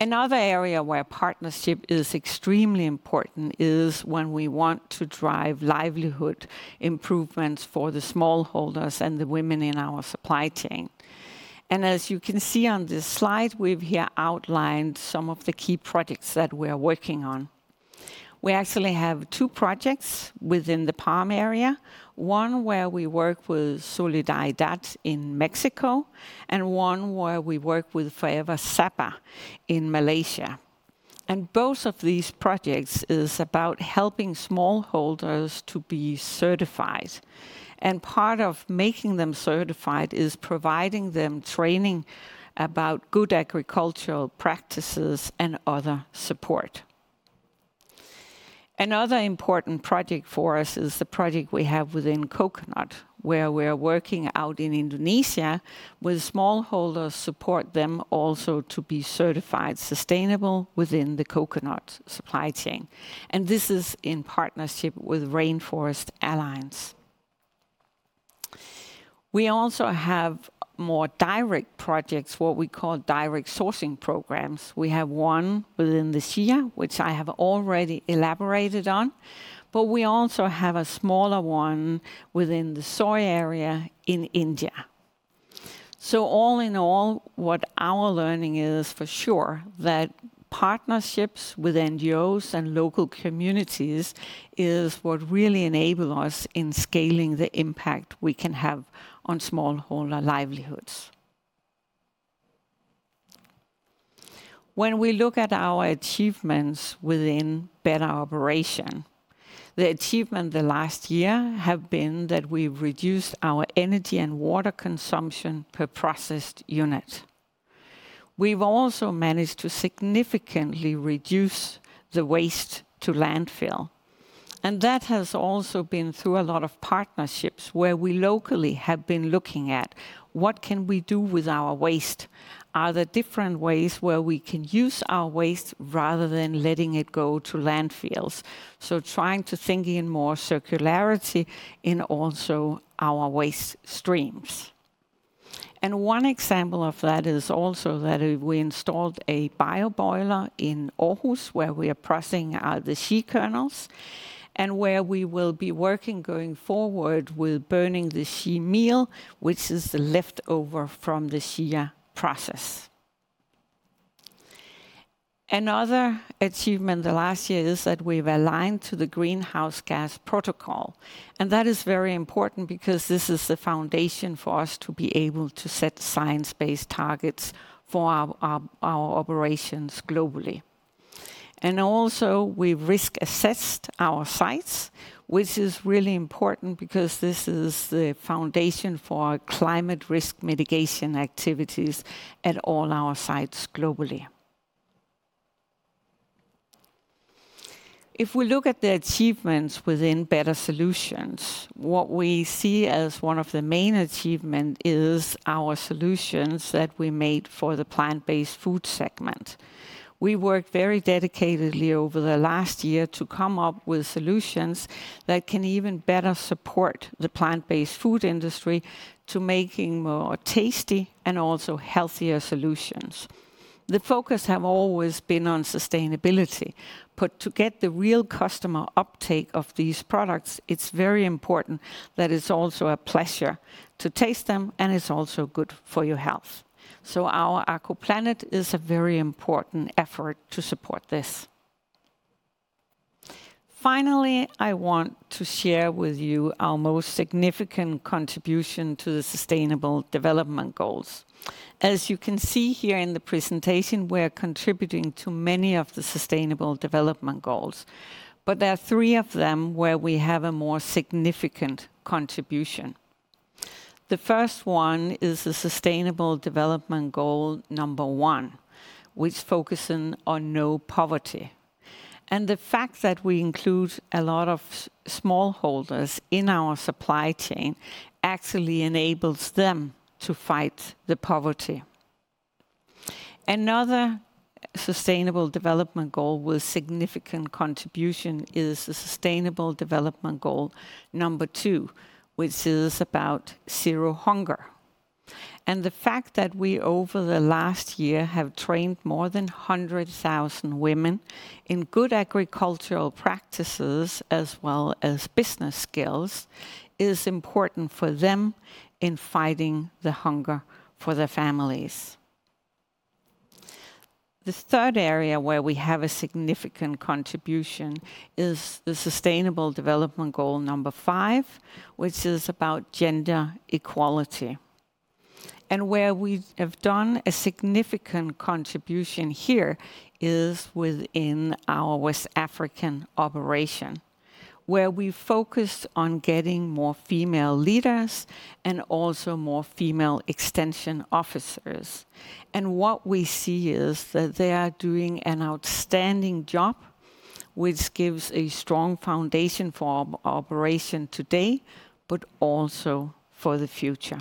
Another area where partnership is extremely important is when we want to drive livelihood improvements for the smallholders and the women in our supply chain. As you can see on this slide, we've here outlined some of the key projects that we're working on. We actually have two projects within the palm area. One where we work with Solidaridad in Mexico, and one where we work with Forever Sabah in Malaysia. Both of these projects is about helping smallholders to be certified. Part of making them certified is providing them training about good agricultural practices and other support. Another important project for us is the project we have within coconut, where we're working out in Indonesia with smallholders, support them also to be certified sustainable within the coconut supply chain, and this is in partnership with Rainforest Alliance. We also have more direct projects, what we call direct sourcing programs. We have one within the Shea, which I have already elaborated on, but we also have a smaller one within the soy area in India. All in all, what our learning is for sure that partnerships with NGOs and local communities is what really enable us in scaling the impact we can have on smallholder livelihoods. When we look at our achievements within better operation, the achievement the last year have been that we've reduced our energy and water consumption per processed unit. We've also managed to significantly reduce the waste to landfill, and that has also been through a lot of partnerships where we locally have been looking at what can we do with our waste. Are there different ways where we can use our waste rather than letting it go to landfills? Trying to think in more circularity in also our waste streams. One example of that is also that we installed a biomass boiler in Aarhus, where we are processing the shea kernels, and where we will be working going forward with burning the shea meal, which is the leftover from the shea process. Another achievement the last year is that we've aligned to the Greenhouse Gas Protocol, and that is very important because this is the foundation for us to be able to set Science Based Targets for our operations globally. Also we risk assessed our sites, which is really important because this is the foundation for our climate risk mitigation activities at all our sites globally. If we look at the achievements within better solutions, what we see as one of the main achievement is our solutions that we made for the plant-based food segment. We worked very dedicatedly over the last year to come up with solutions that can even better support the plant-based food industry to making more tasty and also healthier solutions. The focus has always been on sustainability, but to get the real customer uptake of these products, it's very important that it's also a pleasure to taste them and it's also good for your health. Our AkoPlanet is a very important effort to support this. Finally, I want to share with you our most significant contribution to the Sustainable Development Goals. As you can see here in the presentation, we're contributing to many of the Sustainable Development Goals, but there are three of them where we have a more significant contribution. The first one is the Sustainable Development Goal number 1, which focuses on no poverty. The fact that we include a lot of smallholders in our supply chain actually enables them to fight the poverty. Another Sustainable Development Goal with significant contribution is the Sustainable Development Goal number 2, which is about zero hunger. The fact that we over the last year have trained more than 100,000 women in good agricultural practices as well as business skills is important for them in fighting the hunger for their families. The third area where we have a significant contribution is the Sustainable Development Goal number 5, which is about gender equality. Where we have done a significant contribution here is within our West African operation, where we focused on getting more female leaders and also more female extension officers. What we see is that they are doing an outstanding job, which gives a strong foundation for our operation today, but also for the future.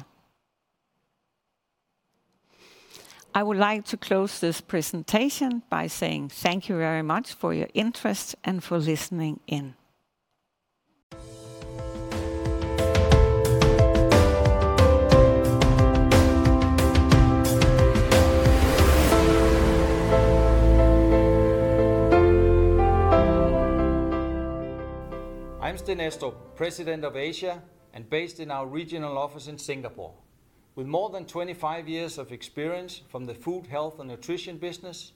I would like to close this presentation by saying thank you very much for your interest and for listening in. I'm Sten Estrup, President of Asia, based in our regional office in Singapore. With more than 25 years of experience from the food, health, and nutrition business,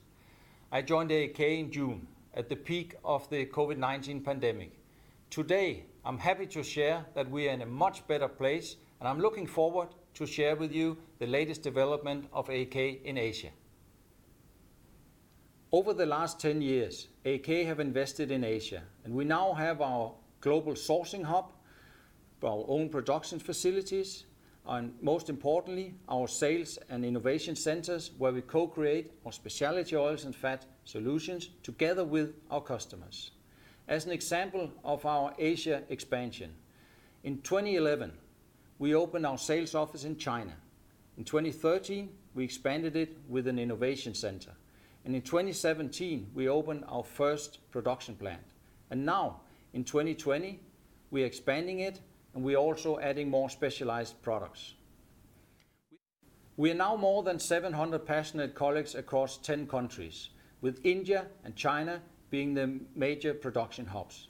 I joined AAK in June at the peak of the COVID-19 pandemic. Today, I'm happy to share that we are in a much better place. I'm looking forward to share with you the latest development of AAK in Asia. Over the last 10 years, AAK have invested in Asia. We now have our global sourcing hub, our own production facilities, and most importantly, our sales and innovation centers where we co-create our specialty oils and fat solutions together with our customers. As an example of our Asia expansion, in 2011, we opened our sales office in China. In 2013, we expanded it with an innovation center. In 2017, we opened our first production plant. Now in 2020, we're expanding it and we're also adding more specialized products. We are now more than 700 passionate colleagues across 10 countries, with India and China being the major production hubs.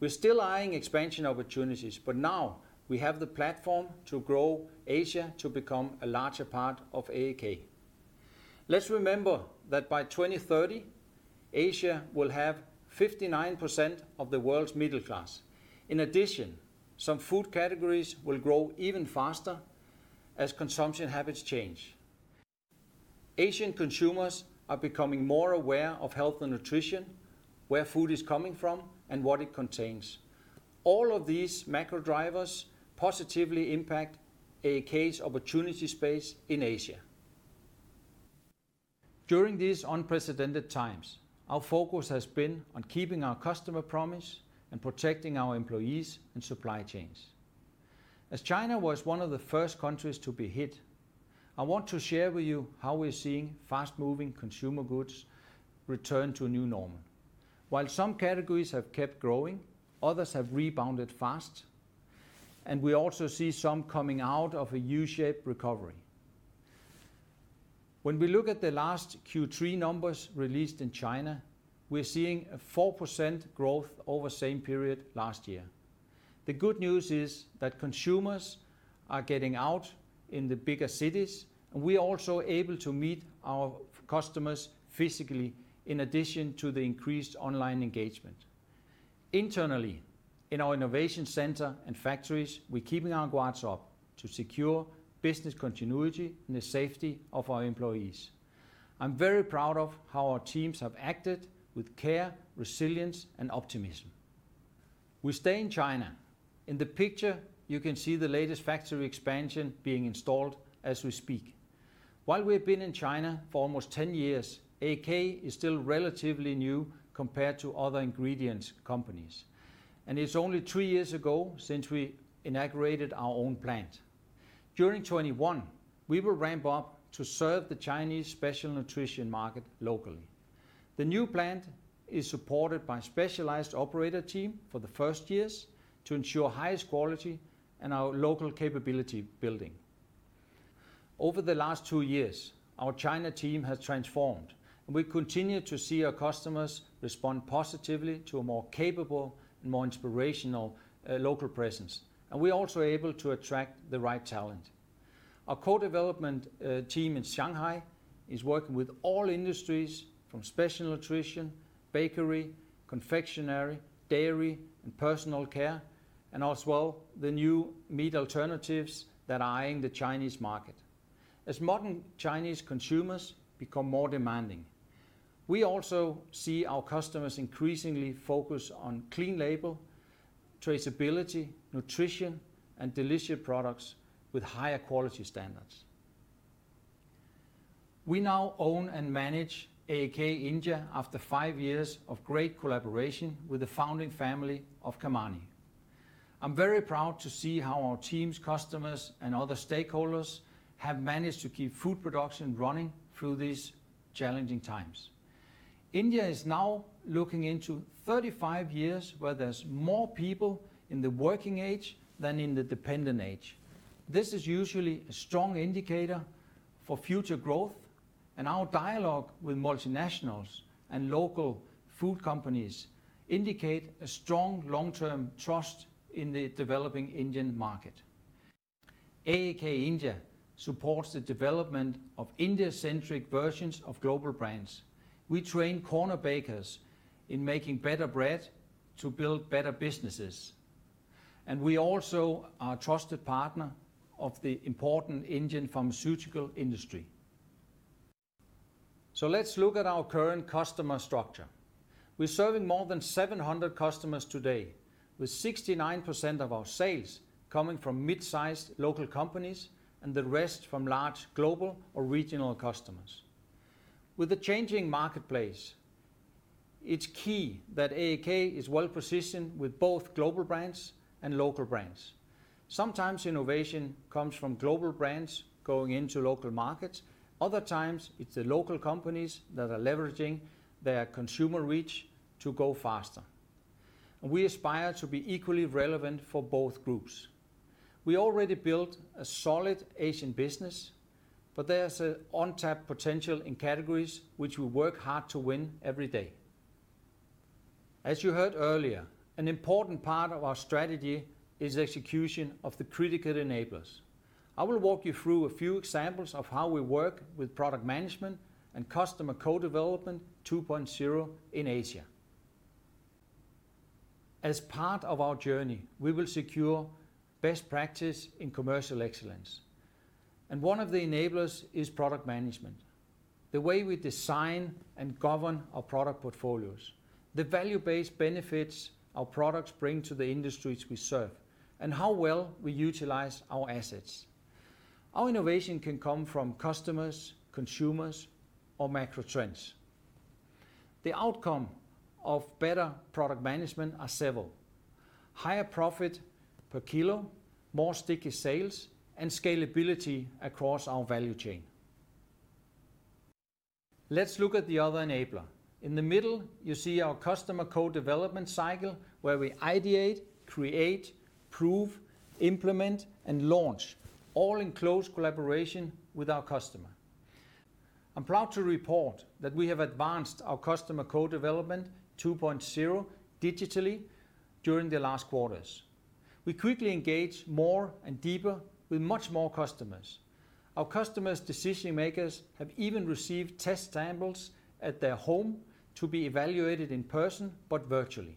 We're still eyeing expansion opportunities, but now we have the platform to grow Asia to become a larger part of AAK. Let's remember that by 2030, Asia will have 59% of the world's middle class. In addition, some food categories will grow even faster as consumption habits change. Asian consumers are becoming more aware of health and nutrition, where food is coming from, and what it contains. All of these macro drivers positively impact AAK's opportunity space in Asia. During these unprecedented times, our focus has been on keeping our customer promise and protecting our employees and supply chains. As China was one of the first countries to be hit, I want to share with you how we're seeing fast-moving consumer goods return to a new normal. While some categories have kept growing, others have rebounded fast, and we also see some coming out of a U-shaped recovery. When we look at the last Q3 numbers released in China, we're seeing a 4% growth over the same period last year. The good news is that consumers are getting out in the bigger cities, and we are also able to meet our customers physically in addition to the increased online engagement. Internally, in our Customer Innovation Centre and factories, we're keeping our guards up to secure business continuity and the safety of our employees. I'm very proud of how our teams have acted with care, resilience, and optimism. We stay in China. In the picture, you can see the latest factory expansion being installed as we speak. While we have been in China for almost 10 years, AAK is still relatively new compared to other ingredients companies, and it's only three years ago since we inaugurated our own plant. During 2021, we will ramp up to serve the Chinese Special Nutrition market locally. The new plant is supported by a specialized operator team for the first years to ensure highest quality and our local capability building. Over the last two years, our China team has transformed, and we continue to see our customers respond positively to a more capable and more inspirational local presence. We're also able to attract the right talent. Our co-development team in Shanghai is working with all industries from Special Nutrition, bakery, confectionery, dairy, and personal care, and as well, the new meat alternatives that are eyeing the Chinese market. As modern Chinese consumers become more demanding, we also see our customers increasingly focus on clean label, traceability, nutrition, and delicious products with higher quality standards. We now own and manage AAK India after five years of great collaboration with the founding family of Kamani. I'm very proud to see how our teams, customers, and other stakeholders have managed to keep food production running through these challenging times. India is now looking into 35 years where there's more people in the working age than in the dependent age. This is usually a strong indicator for future growth. Our dialogue with multinationals and local food companies indicate a strong long-term trust in the developing Indian market. AAK India supports the development of India-centric versions of global brands. We train corner bakers in making better bread to build better businesses, we also are a trusted partner of the important Indian pharmaceutical industry. Let's look at our current customer structure. We're serving more than 700 customers today, with 69% of our sales coming from mid-sized local companies and the rest from large global or regional customers. With the changing marketplace, it's key that AAK is well-positioned with both global brands and local brands. Sometimes innovation comes from global brands going into local markets. Other times, it's the local companies that are leveraging their consumer reach to go faster. We aspire to be equally relevant for both groups. We already built a solid Asian business, there's untapped potential in categories which we work hard to win every day. As you heard earlier, an important part of our strategy is execution of the critical enablers. I will walk you through a few examples of how we work with product management and Customer Co-Development 2.0 in Asia. One of the enablers is product management, the way we design and govern our product portfolios, the value-based benefits our products bring to the industries we serve, and how well we utilize our assets. Our innovation can come from customers, consumers, or macro trends. The outcome of better product management are several: higher profit per kilo, more sticky sales, and scalability across our value chain. Let's look at the other enabler. In the middle, you see our Customer Co-Development cycle, where we ideate, create, prove, implement, and launch, all in close collaboration with our customer. I'm proud to report that we have advanced our Customer Co-Development 2.0 digitally during the last quarters. We quickly engage more and deeper with much more customers. Our customers' decision-makers have even received test samples at their home to be evaluated in person, but virtually.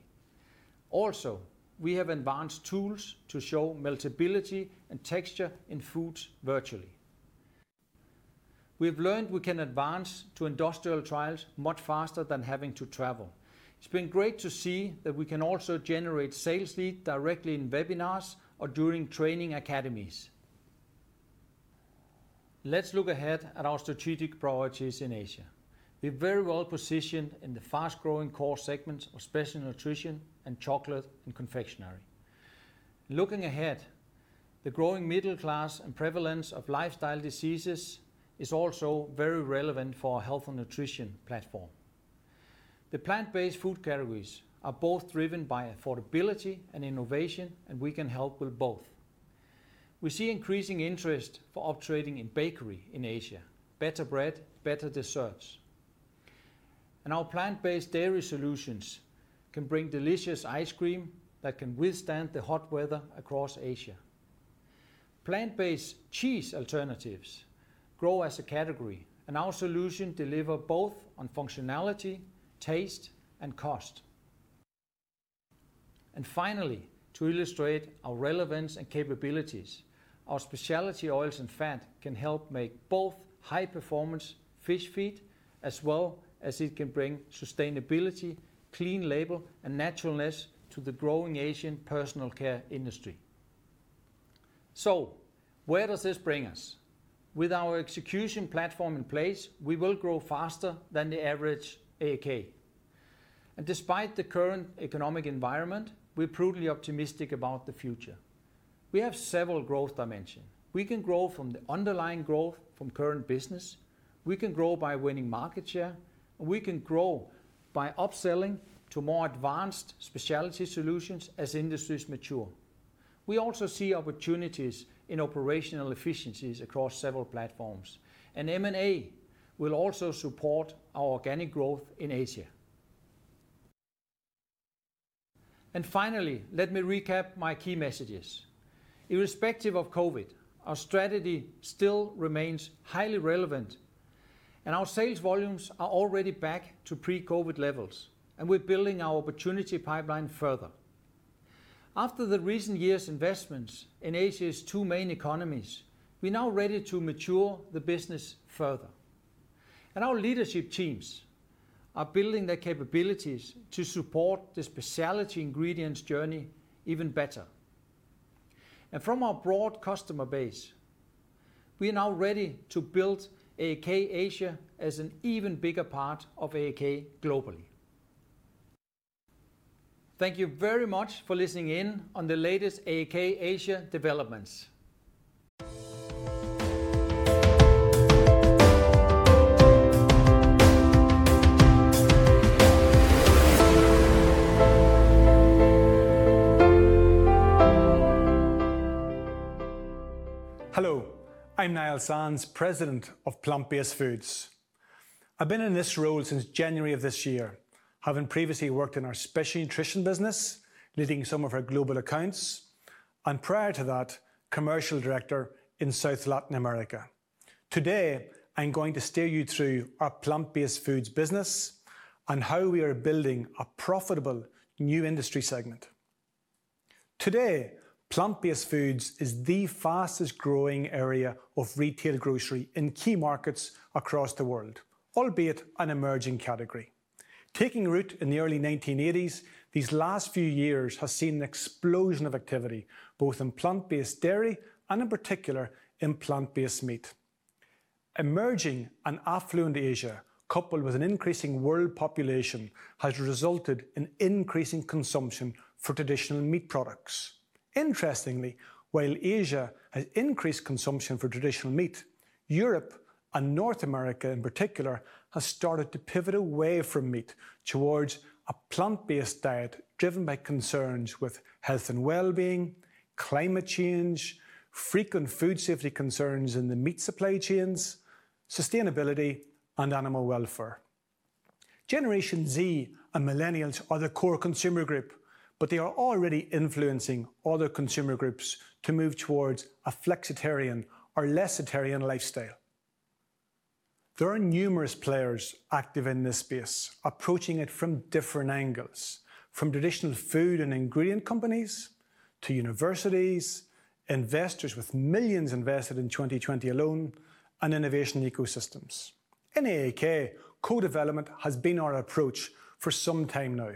We have advanced tools to show meltability and texture in foods virtually. We've learned we can advance to industrial trials much faster than having to travel. It's been great to see that we can also generate sales leads directly in webinars or during training academies. Let's look ahead at our strategic priorities in Asia. We're very well positioned in the fast-growing core segments of Special Nutrition and Chocolate and Confectionery. Looking ahead, the growing middle class and prevalence of lifestyle diseases is also very relevant for our health and nutrition platform. The plant-based food categories are both driven by affordability and innovation, and we can help with both. We see increasing interest for uptrading in bakery in Asia, better bread, better desserts. Our plant-based dairy solutions can bring delicious ice cream that can withstand the hot weather across Asia. Plant-based cheese alternatives grow as a category, our solution deliver both on functionality, taste, and cost. Finally, to illustrate our relevance and capabilities, our specialty oils and fat can help make both high-performance fish feed as well as it can bring sustainability, clean label, and naturalness to the growing Asian personal care industry. Where does this bring us? With our execution platform in place, we will grow faster than the average AAK. Despite the current economic environment, we're prudently optimistic about the future. We have several growth dimension. We can grow from the underlying growth from current business, we can grow by winning market share, and we can grow by upselling to more advanced specialty solutions as industries mature. We also see opportunities in operational efficiencies across several platforms, and M&A will also support our organic growth in Asia. Finally, let me recap my key messages. Irrespective of COVID, our strategy still remains highly relevant, and our sales volumes are already back to pre-COVID levels, and we're building our opportunity pipeline further. After the recent years investments in Asia's two main economies, we're now ready to mature the business further, and our leadership teams are building their capabilities to support the Specialty Ingredients Journey even better. From our broad customer base, we are now ready to build AAK Asia as an even bigger part of AAK globally. Thank you very much for listening in on the latest AAK Asia developments. Hello, I'm Niall Sands, President of Plant-Based Foods. I've been in this role since January of this year, having previously worked in our Special Nutrition Business, leading some of our global accounts, and prior to that, Commercial Director in South Latin America. Today, I'm going to steer you through our Plant-Based Foods business and how we are building a profitable new industry segment. Today, Plant-Based Foods is the fastest growing area of retail grocery in key markets across the world, albeit an emerging category. Taking root in the early 1980s, these last few years has seen an explosion of activity, both in plant-based dairy, and in particular, in plant-based meat. Emerging and affluent Asia, coupled with an increasing world population, has resulted in increasing consumption for traditional meat products. Interestingly, while Asia has increased consumption for traditional meat, Europe and North America in particular, has started to pivot away from meat towards a plant-based diet driven by concerns with health and wellbeing, climate change, frequent food safety concerns in the meat supply chains, sustainability, and animal welfare. Generation Z and Millennials are the core consumer group, but they are already influencing other consumer groups to move towards a flexitarian or lessetarian lifestyle. There are numerous players active in this space approaching it from different angles, from traditional food and ingredient companies, to universities, investors with millions invested in 2020 alone, and innovation ecosystems. In AAK, co-development has been our approach for some time now,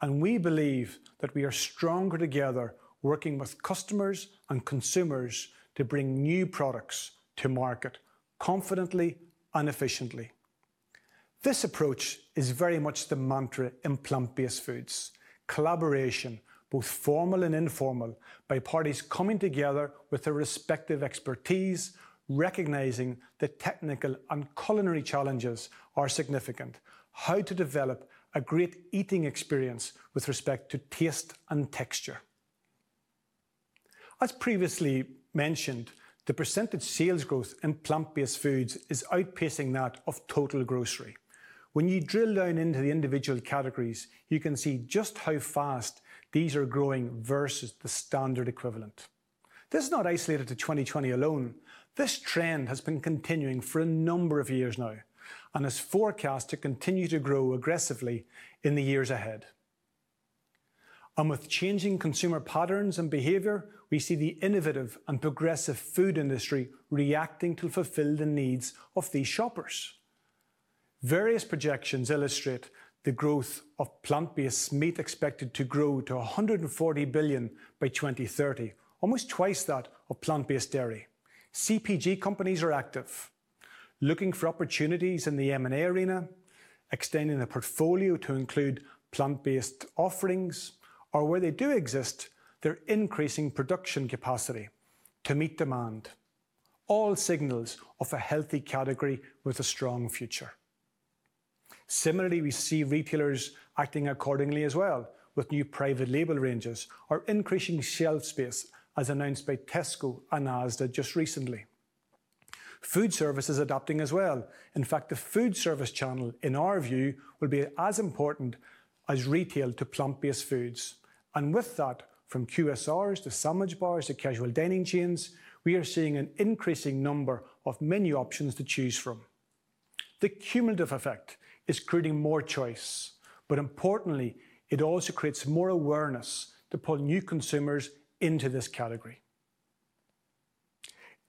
and we believe that we are stronger together working with customers and consumers to bring new products to market confidently and efficiently. This approach is very much the mantra in Plant-Based Foods. Collaboration, both formal and informal, by parties coming together with their respective expertise, recognizing the technical and culinary challenges are significant. How to develop a great eating experience with respect to taste and texture. As previously mentioned, the percentage sales growth in Plant-Based Foods is outpacing that of total grocery. When you drill down into the individual categories, you can see just how fast these are growing versus the standard equivalent. This is not isolated to 2020 alone. This trend has been continuing for a number of years now and is forecast to continue to grow aggressively in the years ahead. With changing consumer patterns and behavior, we see the innovative and progressive food industry reacting to fulfill the needs of these shoppers. Various projections illustrate the growth of plant-based meat expected to grow to 140 billion by 2030, almost twice that of plant-based dairy. CPG companies are active, looking for opportunities in the M&A arena, extending a portfolio to include plant-based offerings, or where they do exist, they're increasing production capacity to meet demand. All signals of a healthy category with a strong future. Similarly, we see retailers acting accordingly as well, with new private label ranges or increasing shelf space, as announced by Tesco and Asda just recently. Food service is adapting as well. In fact, the food service channel, in our view, will be as important as retail to Plant-Based Foods. From QSRs to sandwich bars to casual dining chains, we are seeing an increasing number of menu options to choose from. The cumulative effect is creating more choice, but importantly, it also creates more awareness to pull new consumers into this category.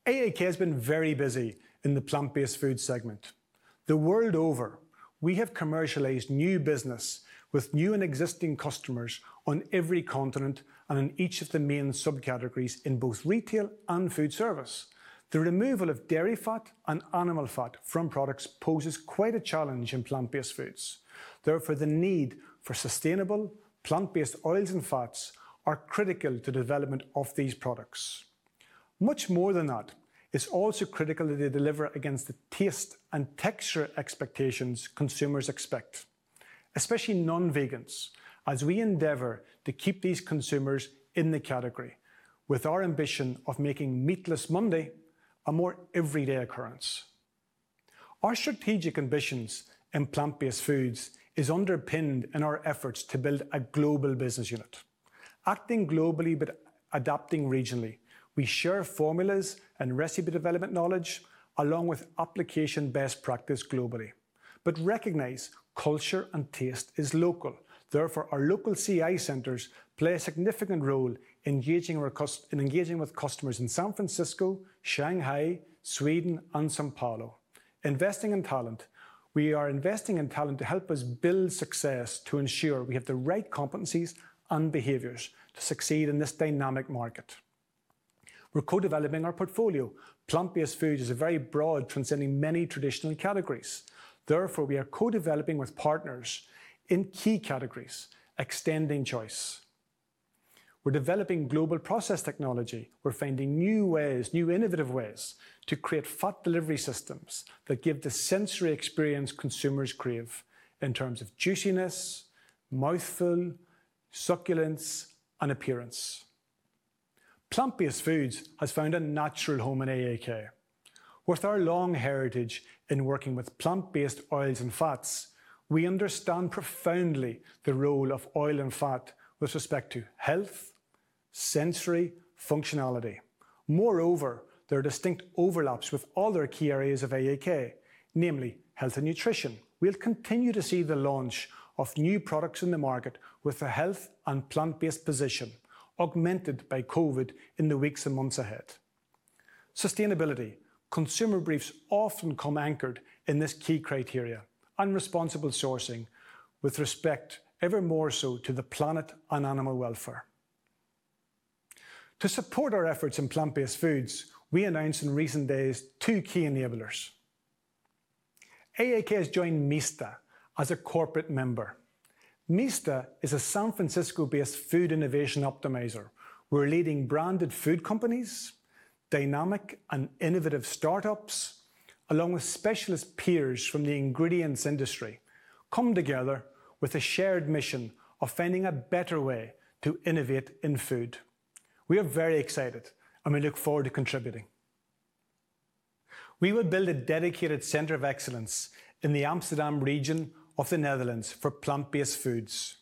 AAK has been very busy in the plant-based food segment. The world over, we have commercialized new business with new and existing customers on every continent and in each of the main subcategories in both retail and foodservice. The removal of dairy fat and animal fat from products poses quite a challenge in Plant-Based Foods. The need for sustainable plant-based oils and fats are critical to development of these products. Much more than that, it is also critical that they deliver against the taste and texture expectations consumers expect, especially non-vegans, as we endeavor to keep these consumers in the category with our ambition of making Meatless Monday a more everyday occurrence. Our strategic ambitions in Plant-based Foods is underpinned in our efforts to build a global business unit. Acting globally but adapting regionally, we share formulas and recipe development knowledge, along with application best practice globally, but recognize culture and taste is local. Therefore, our local CI centers play a significant role in engaging with customers in San Francisco, Shanghai, Sweden, and São Paulo. Investing in talent. We are investing in talent to help us build success to ensure we have the right competencies and behaviors to succeed in this dynamic market. We're co-developing our portfolio. Plant-based food is very broad, transcending many traditional categories. Therefore, we are co-developing with partners in key categories, extending choice. We're developing global process technology. We're finding new ways, new innovative ways, to create fat delivery systems that give the sensory experience consumers crave in terms of juiciness, mouthful, succulence, and appearance. Plant-based Foods has found a natural home in AAK. With our long heritage in working with plant-based oils and fats, we understand profoundly the role of oil and fat with respect to health, sensory, functionality. Moreover, there are distinct overlaps with other key areas of AAK, namely health and nutrition. We'll continue to see the launch of new products in the market with a health and plant-based position, augmented by COVID-19 in the weeks and months ahead. Sustainability. Consumer briefs often come anchored in this key criteria and responsible sourcing with respect ever more so to the planet and animal welfare. To support our efforts in plant-based foods, we announced in recent days two key enablers. AAK has joined MISTA as a corporate member. MISTA is a San Francisco-based food innovation optimizer, where leading branded food companies, dynamic and innovative startups, along with specialist peers from the ingredients industry, come together with a shared mission of finding a better way to innovate in food. We are very excited, and we look forward to contributing. We will build a dedicated center of excellence in the Amsterdam region of the Netherlands for plant-based foods.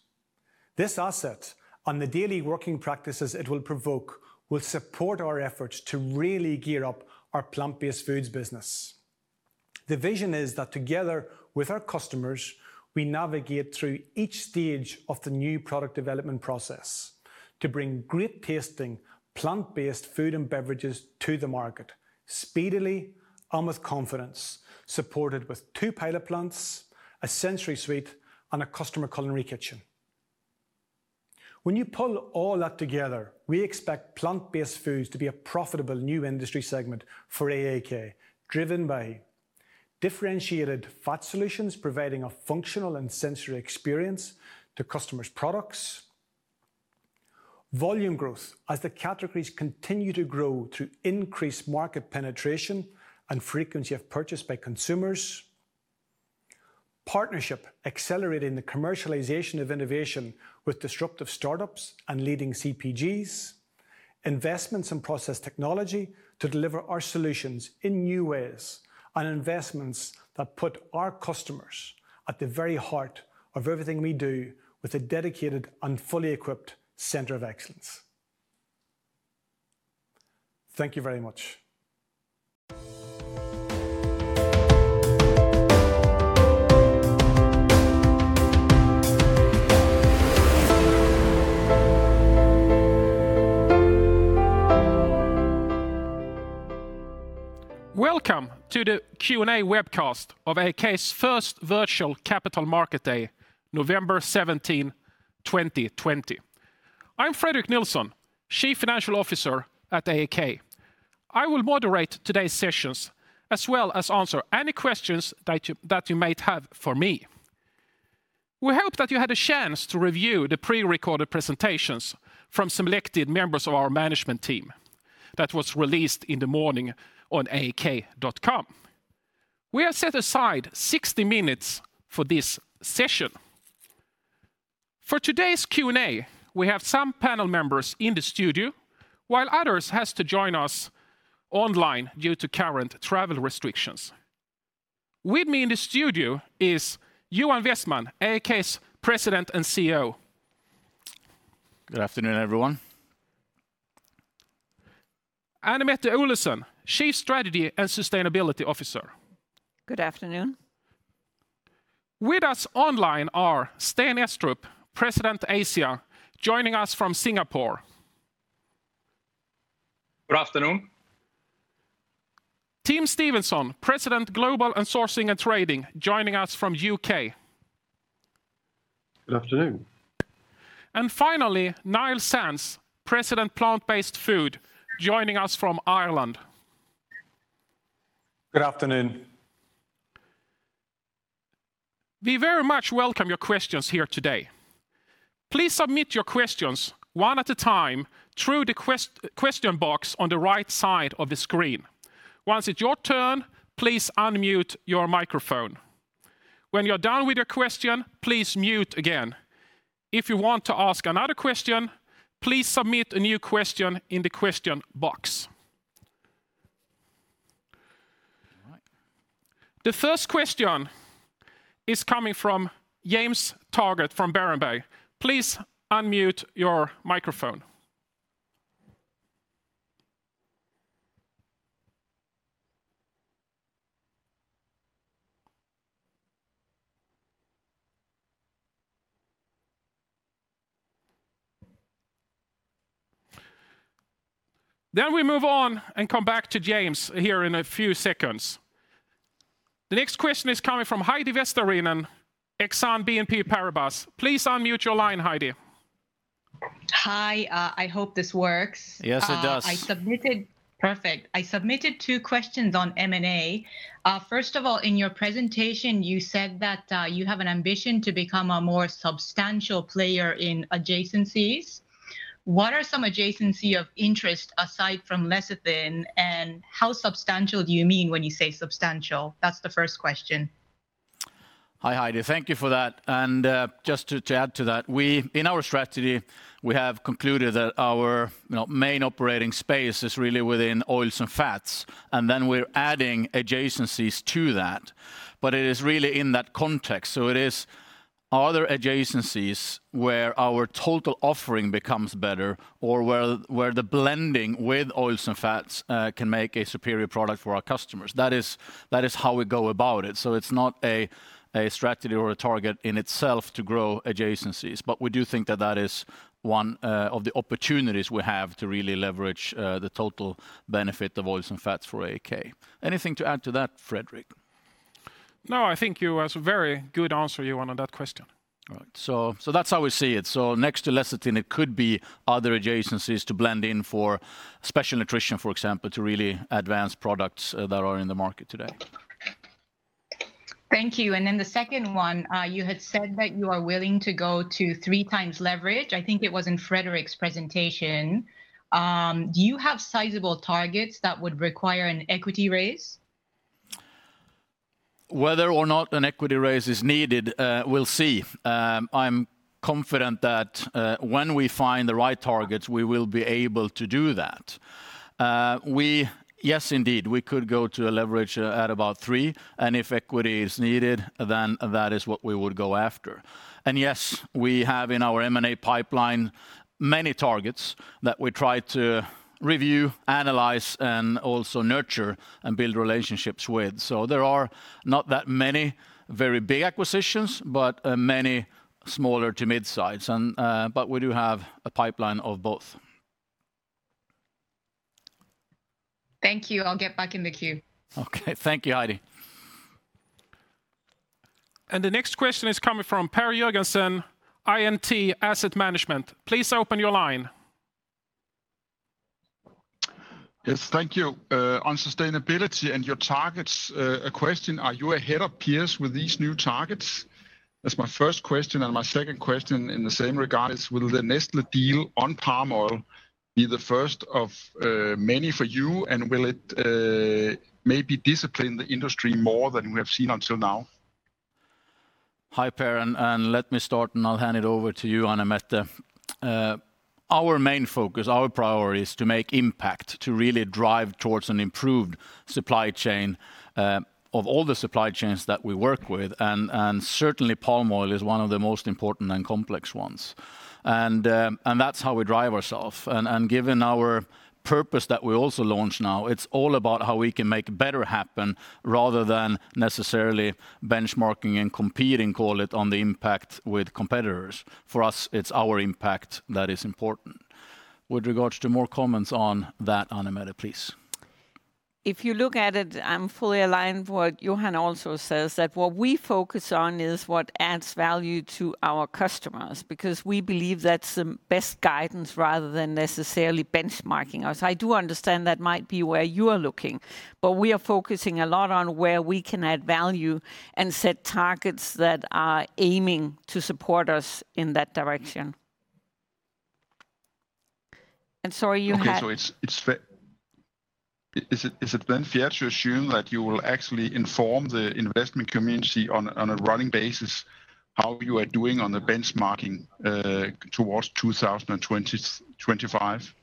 This asset, and the daily working practices it will provoke, will support our efforts to really gear up our plant-based foods business. The vision is that together with our customers, we navigate through each stage of the new product development process to bring great-tasting, plant-based food and beverages to the market speedily and with confidence, supported with two pilot plants, a sensory suite, and a customer culinary kitchen. When you pull all that together, we expect plant-based foods to be a profitable new industry segment for AAK, driven by differentiated fat solutions, providing a functional and sensory experience to customers' products. Volume growth, as the categories continue to grow through increased market penetration and frequency of purchase by consumers. Partnership, accelerating the commercialization of innovation with disruptive startups and leading CPGs. Investments in process technology to deliver our solutions in new ways, and investments that put our customers at the very heart of everything we do with a dedicated and fully equipped center of excellence. Thank you very much. Welcome to the Q&A webcast of AAK's first virtual Capital Market Day, November 17th, 2020. I'm Fredrik Nilsson, Chief Financial Officer at AAK. I will moderate today's sessions as well as answer any questions that you might have for me. We hope that you had a chance to review the pre-recorded presentations from selected members of our management team that was released in the morning on aak.com. We have set aside 60 minutes for this session. For today's Q&A, we have some panel members in the studio, while others have to join us online due to current travel restrictions. With me in the studio is Johan Westman, AAK's President and CEO. Good afternoon, everyone. Anne Mette Olesen, Chief Strategy and Sustainability Officer. Good afternoon. With us online are Sten Estrup, President Asia, joining us from Singapore. Good afternoon. Tim Stephenson, President Global Sourcing & Trading, joining us from U.K. Good afternoon. Finally, Niall Sands, President, Plant-based Foods, joining us from Ireland. Good afternoon. We very much welcome your questions here today. Please submit your questions one at a time through the question box on the right side of the screen. Once it's your turn, please unmute your microphone. When you're done with your question, please mute again. If you want to ask another question, please submit a new question in the question box. All right. The first question is coming from James Targett from Berenberg. Please unmute your microphone. We move on and come back to James here in a few seconds. The next question is coming from Heidi Vesterinen, Exane BNP Paribas. Please unmute your line, Heidi. Hi I hope this works. Yes, it does. Perfect. I submitted two questions on M&A. First of all, in your presentation, you said that you have an ambition to become a more substantial player in adjacencies. What are some adjacencies of interest aside from lecithin, and how substantial do you mean when you say substantial? That's the first question. Hi, Heidi. Thank you for that. Just to add to that, in our strategy, we have concluded that our main operating space is really within oils and fats, we're adding adjacencies to that, it is really in that context. It is other adjacencies where our total offering becomes better or where the blending with oils and fats can make a superior product for our customers. That is how we go about it. It's not a strategy or a target in itself to grow adjacencies. We do think that that is one of the opportunities we have to really leverage the total benefit of oils and fats for AAK. Anything to add to that, Fredrik? No, I think it was a very good answer, Johan, on that question. All right. That's how we see it. Next to lecithin, it could be other adjacencies to blend in for Special Nutrition, for example, to really advance products that are in the market today. Thank you. The second one, you had said that you are willing to go to 3x leverage. I think it was in Fredrik's presentation. Do you have sizable targets that would require an equity raise? Whether or not an equity raise is needed, we'll see. I'm confident that when we find the right targets, we will be able to do that. Yes, indeed, we could go to a leverage at about three, and if equity is needed, then that is what we would go after. Yes, we have in our M&A pipeline many targets that we try to review, analyze, and also nurture and build relationships with. There are not that many very big acquisitions, but many smaller to mid-size, but we do have a pipeline of both. Thank you. I'll get back in the queue. Okay. Thank you, Heidi. The next question is coming from Per Jørgensen, INT Asset Management. Please open your line. Yes. Thank you. On sustainability and your targets, a question, are you ahead of peers with these new targets? That's my first question. My second question in the same regard is, will the Nestlé deal on palm oil be the first of many for you, and will it maybe discipline the industry more than we have seen until now? Hi, Per. Let me start, and I'll hand it over to you, Anne Mette. Our main focus, our priority is to make impact, to really drive towards an improved supply chain of all the supply chains that we work with, and certainly palm oil is one of the most important and complex ones. That's how we drive ourself. Given our purpose that we also launched now, it's all about how we can Making Better Happen rather than necessarily benchmarking and competing, call it, on the impact with competitors. For us, it's our impact that is important. With regards to more comments on that, Anne Mette, please. If you look at it, I'm fully aligned what Johan also says, that what we focus on is what adds value to our customers, because we believe that's the best guidance rather than necessarily benchmarking us. I do understand that might be where you are looking, but we are focusing a lot on where we can add value and set targets that are aiming to support us in that direction. Is it then fair to assume that you will actually inform the investment community on a running basis how you are doing on the benchmarking towards 2025?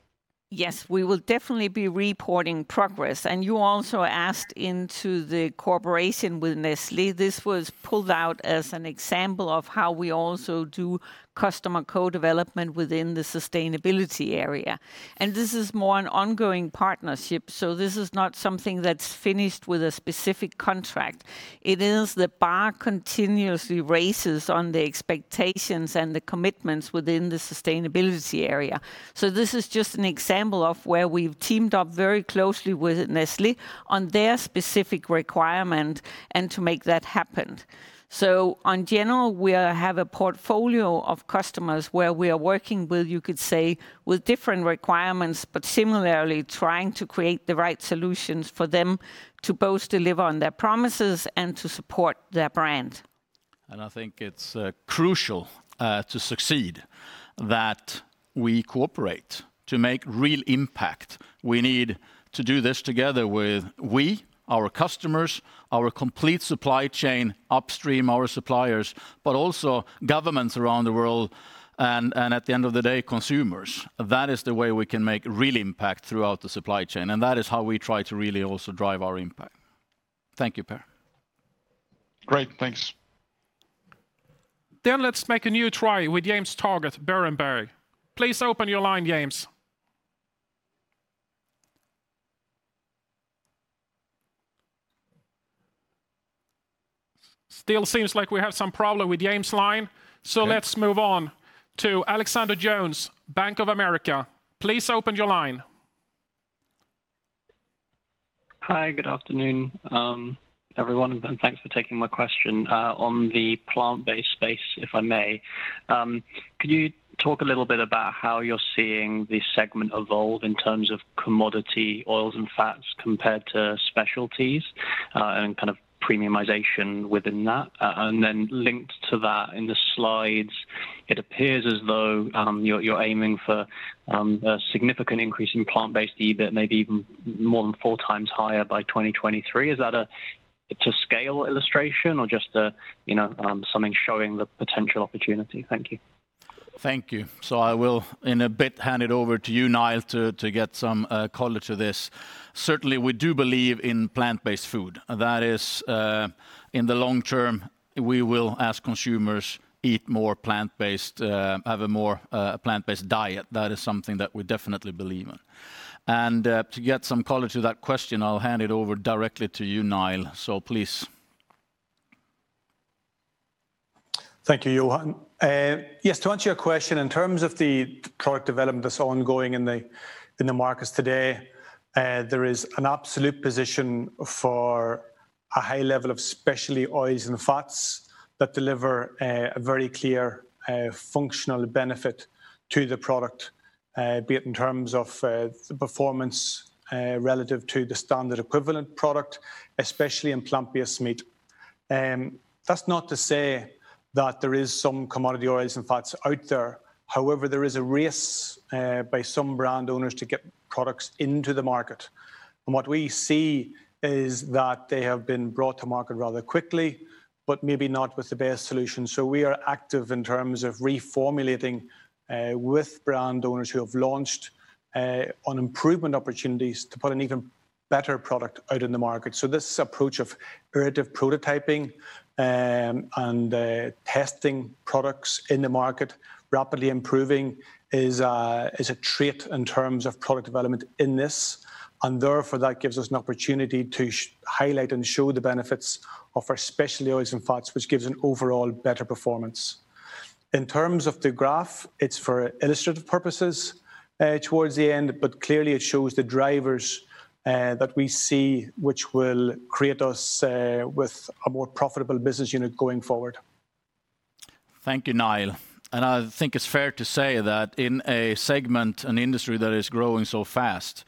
Yes, we will definitely be reporting progress. You also asked into the cooperation with Nestlé. This was pulled out as an example of how we also do Customer Co-Development within the sustainability area. This is more an ongoing partnership, so this is not something that's finished with a specific contract. It is the bar continuously raises on the expectations and the commitments within the sustainability area. This is just an example of where we've teamed up very closely with Nestlé on their specific requirement and to make that happen. In general, we have a portfolio of customers where we are working with, you could say, different requirements, but similarly trying to create the right solutions for them to both deliver on their promises and to support their brand. I think it's crucial to succeed that we cooperate to make real impact. We need to do this together with we, our customers, our complete supply chain upstream, our suppliers, but also governments around the world and, at the end of the day, consumers. That is the way we can make real impact throughout the supply chain, and that is how we try to really also drive our impact. Thank you, Per. Great. Thanks. Let's make a new try with James Target, Berenberg. Please open your line, James. Still seems like we have some problem with James' line, so let's move on to Alexander Jones, Bank of America. Please open your line. Hi, good afternoon, everyone, and thanks for taking my question. On the plant-based space, if I may, could you talk a little bit about how you're seeing this segment evolve in terms of commodity oils and fats compared to specialties, and kind of premiumization within that? Linked to that, in the slides, it appears as though you're aiming for a significant increase in plant-based EBIT, maybe even more than 4x higher by 2023. Is that a to-scale illustration or just something showing the potential opportunity? Thank you. Thank you. I will, in a bit, hand it over to you, Niall, to get some color to this. Certainly, we do believe in plant-based food. That is, in the long term, we will, as consumers, eat more plant-based, have a more plant-based diet. That is something that we definitely believe in. To get some color to that question, I'll hand it over directly to you, Niall. Please. Thank you, Johan. Yes, to answer your question, in terms of the product development that's ongoing in the markets today, there is an absolute position for a high level of specialty oils and fats that deliver a very clear functional benefit to the product, be it in terms of the performance relative to the standard equivalent product, especially in plant-based meat. That's not to say that there is some commodity oils and fats out there. However, there is a race by some brand owners to get products into the market. What we see is that they have been brought to market rather quickly, but maybe not with the best solution. We are active in terms of reformulating with brand owners who have launched on improvement opportunities to put an even better product out in the market. This approach of iterative prototyping and testing products in the market, rapidly improving, is a trait in terms of product development in this, and therefore that gives us an opportunity to highlight and show the benefits of our specialty oils and fats, which gives an overall better performance. In terms of the graph, it's for illustrative purposes towards the end, clearly it shows the drivers that we see which will create us with a more profitable business unit going forward. Thank you, Niall. I think it's fair to say that in a segment and industry that is growing so fast,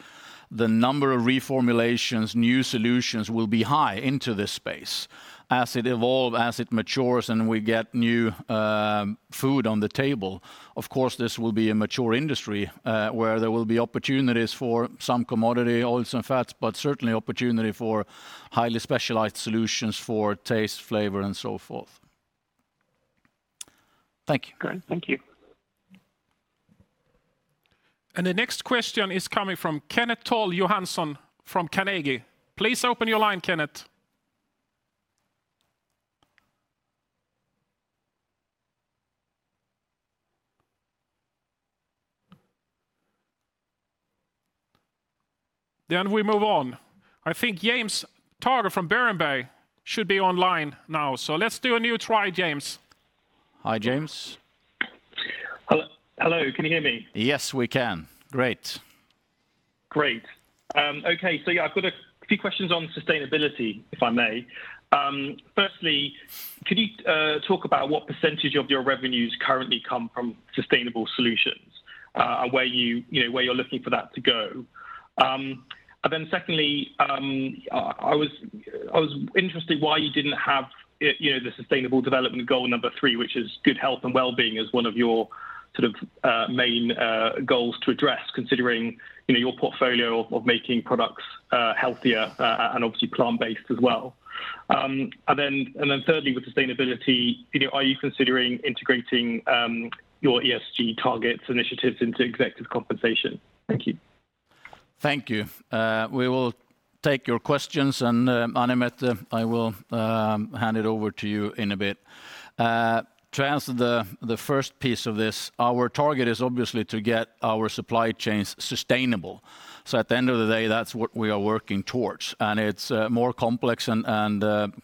the number of reformulations, new solutions will be high into this space. As it evolves, as it matures, and we get new food on the table, of course, this will be a mature industry where there will be opportunities for some commodity oils and fats, but certainly opportunity for highly specialized solutions for taste, flavor, and so forth. Thank you. Great. Thank you. The next question is coming from Kenneth Toll Johansson from Carnegie. Please open your line, Kenneth. We move on. I think James Target from Berenberg should be online now, so let's do a new try, James. Hi, James. Hello, can you hear me? Yes, we can. Great. Great. Okay, yeah, I've got a few questions on sustainability, if I may. Firstly, could you talk about what % of your revenues currently come from sustainable solutions, and where you're looking for that to go? Secondly, I was interested why you didn't have the Sustainable Development Goal number three, which is Good Health and Well-being as one of your main goals to address, considering your portfolio of making products healthier, and obviously plant-based as well. Thirdly, with sustainability, are you considering integrating your ESG targets initiatives into executive compensation? Thank you. Thank you. We will take your questions and Anne Mette, I will hand it over to you in a bit. To answer the first piece of this, our target is obviously to get our supply chains sustainable. At the end of the day, that's what we are working towards, and it's more complex and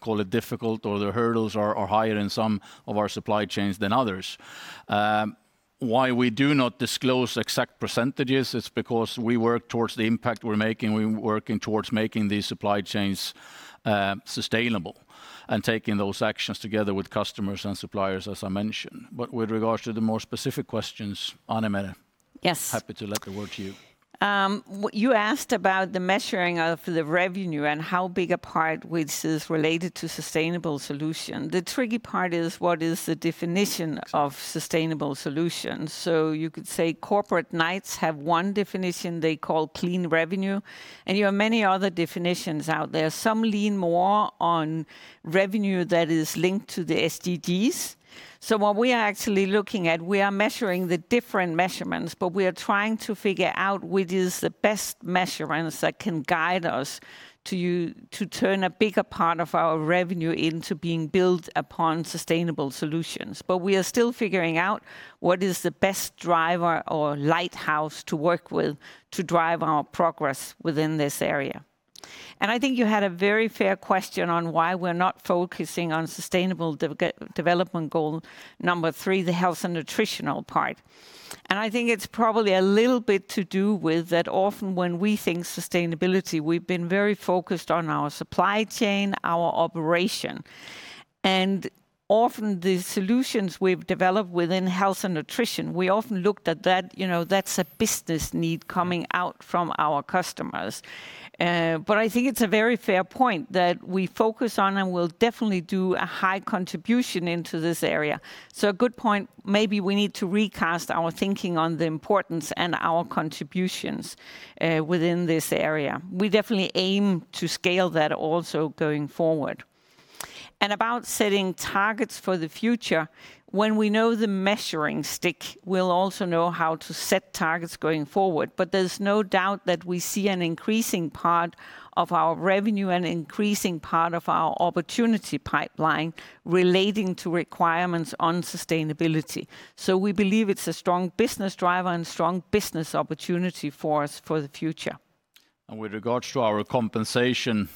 call it difficult, or the hurdles are higher in some of our supply chains than others. Why we do not disclose exact percentages, it's because we work towards the impact we're making. We're working towards making these supply chains sustainable and taking those actions together with customers and suppliers, as I mentioned. With regards to the more specific questions, Anne Mette. Yes happy to let the word to you. You asked about the measuring of the revenue and how big a part which is related to sustainable solution. The tricky part is what is the definition of sustainable solutions. You could say Corporate Knights have one definition they call clean revenue, and you have many other definitions out there. Some lean more on revenue that is linked to the SDGs. What we are actually looking at, we are measuring the different measurements, but we are trying to figure out which is the best measurements that can guide us to turn a bigger part of our revenue into being built upon sustainable solutions. We are still figuring out what is the best driver or lighthouse to work with to drive our progress within this area. I think you had a very fair question on why we're not focusing on Sustainable Development Goal number three, the health and nutritional part. I think it's probably a little bit to do with that often when we think sustainability, we've been very focused on our supply chain, our operation. Often the solutions we've developed within health and nutrition, we often looked at that's a business need coming out from our customers. I think it's a very fair point that we focus on and will definitely do a high contribution into this area. A good point. Maybe we need to recast our thinking on the importance and our contributions within this area. We definitely aim to scale that also going forward. About setting targets for the future, when we know the measuring stick, we'll also know how to set targets going forward, but there's no doubt that we see an increasing part of our revenue, an increasing part of our opportunity pipeline relating to requirements on sustainability. We believe it's a strong business driver and strong business opportunity for us for the future. With regards to our compensation,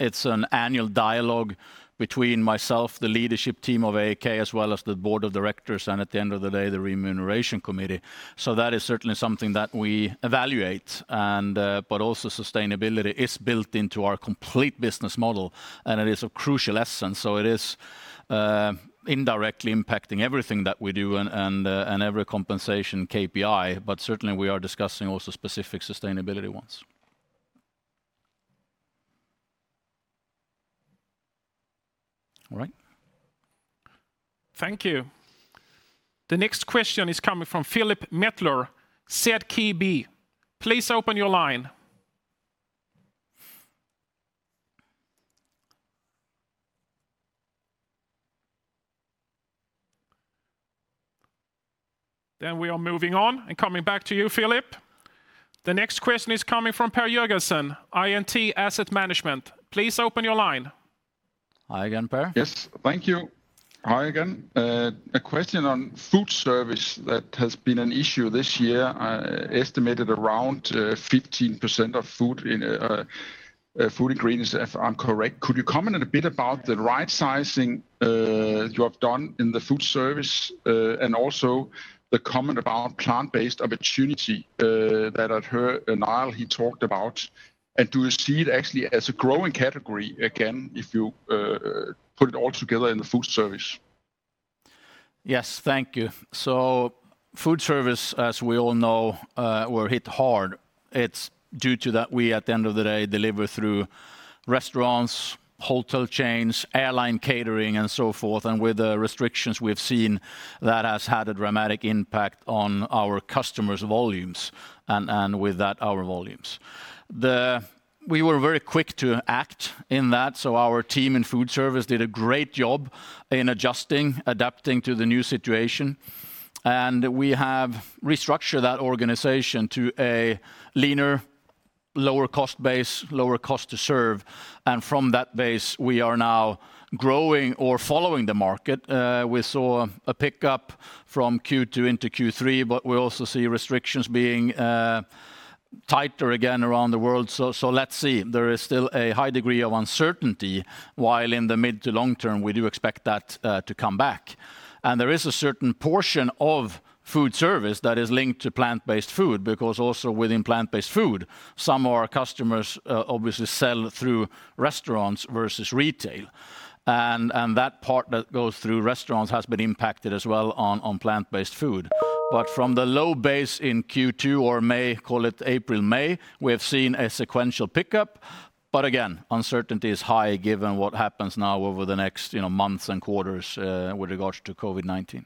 it's an annual dialogue between myself, the leadership team of AAK, as well as the board of directors, and at the end of the day, the remuneration committee. That is certainly something that we evaluate. Also sustainability is built into our complete business model, and it is a crucial essence. It is indirectly impacting everything that we do and every compensation KPI, but certainly we are discussing also specific sustainability ones. All right. Thank you. The next question is coming from Philip Mettler, ZKB. Please open your line. Then we are moving on and coming back to you, Philip. The next question is coming from Per Jørgensen, INT Asset Management. Please open your line. Hi again, Per. Yes. Thank you. Hi again. A question on food service that has been an issue this year, estimated around 15% of Food Ingredients, if I'm correct. Could you comment a bit about the right sizing you have done in the food service? Also the comment about plant-based opportunity that I'd heard Niall, he talked about, and do you see it actually as a growing category again, if you put it all together in the food service? Yes. Thank you. Food service, as we all know, were hit hard. It's due to that we, at the end of the day, deliver through restaurants, hotel chains, airline catering, and so forth. With the restrictions we have seen, that has had a dramatic impact on our customers' volumes, and with that, our volumes. We were very quick to act in that, so our team in food service did a great job in adjusting, adapting to the new situation, and we have restructured that organization to a leaner, lower cost base, lower cost-to-serve. From that base, we are now growing or following the market. We saw a pickup from Q2 into Q3. We also see restrictions being tighter again around the world. Let's see. There is still a high degree of uncertainty, while in the mid to long term, we do expect that to come back. There is a certain portion of food service that is linked to plant-based food, because also within plant-based food, some of our customers obviously sell through restaurants versus retail. That part that goes through restaurants has been impacted as well on plant-based food. From the low base in Q2 or May, call it April-May, we have seen a sequential pickup. Again, uncertainty is high given what happens now over the next months and quarters with regards to COVID-19.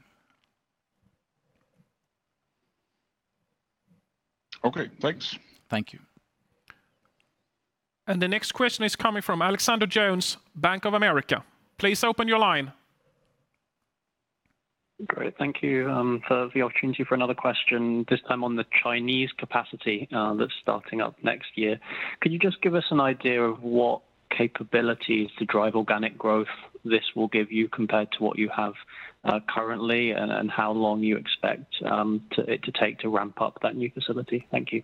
Okay, thanks. Thank you. The next question is coming from Alexander Jones, Bank of America. Please open your line. Great. Thank you for the opportunity for another question, this time on the Chinese capacity that's starting up next year. Could you just give us an idea of what capabilities to drive organic growth this will give you compared to what you have currently, and how long you expect it to take to ramp up that new facility? Thank you.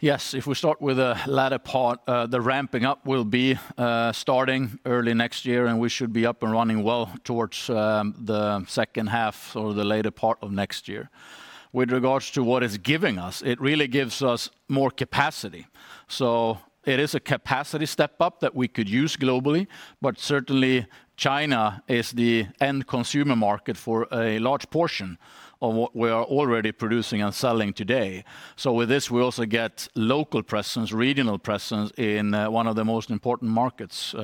Yes. If we start with the latter part, the ramping up will be starting early 2021, and we should be up and running well towards the second half or the later part of next year. With regards to what it's giving us, it really gives us more capacity. It is a capacity step-up that we could use globally, but certainly China is the end consumer market for a large portion of what we are already producing and selling today. With this, we also get local presence, regional presence in one of the most important markets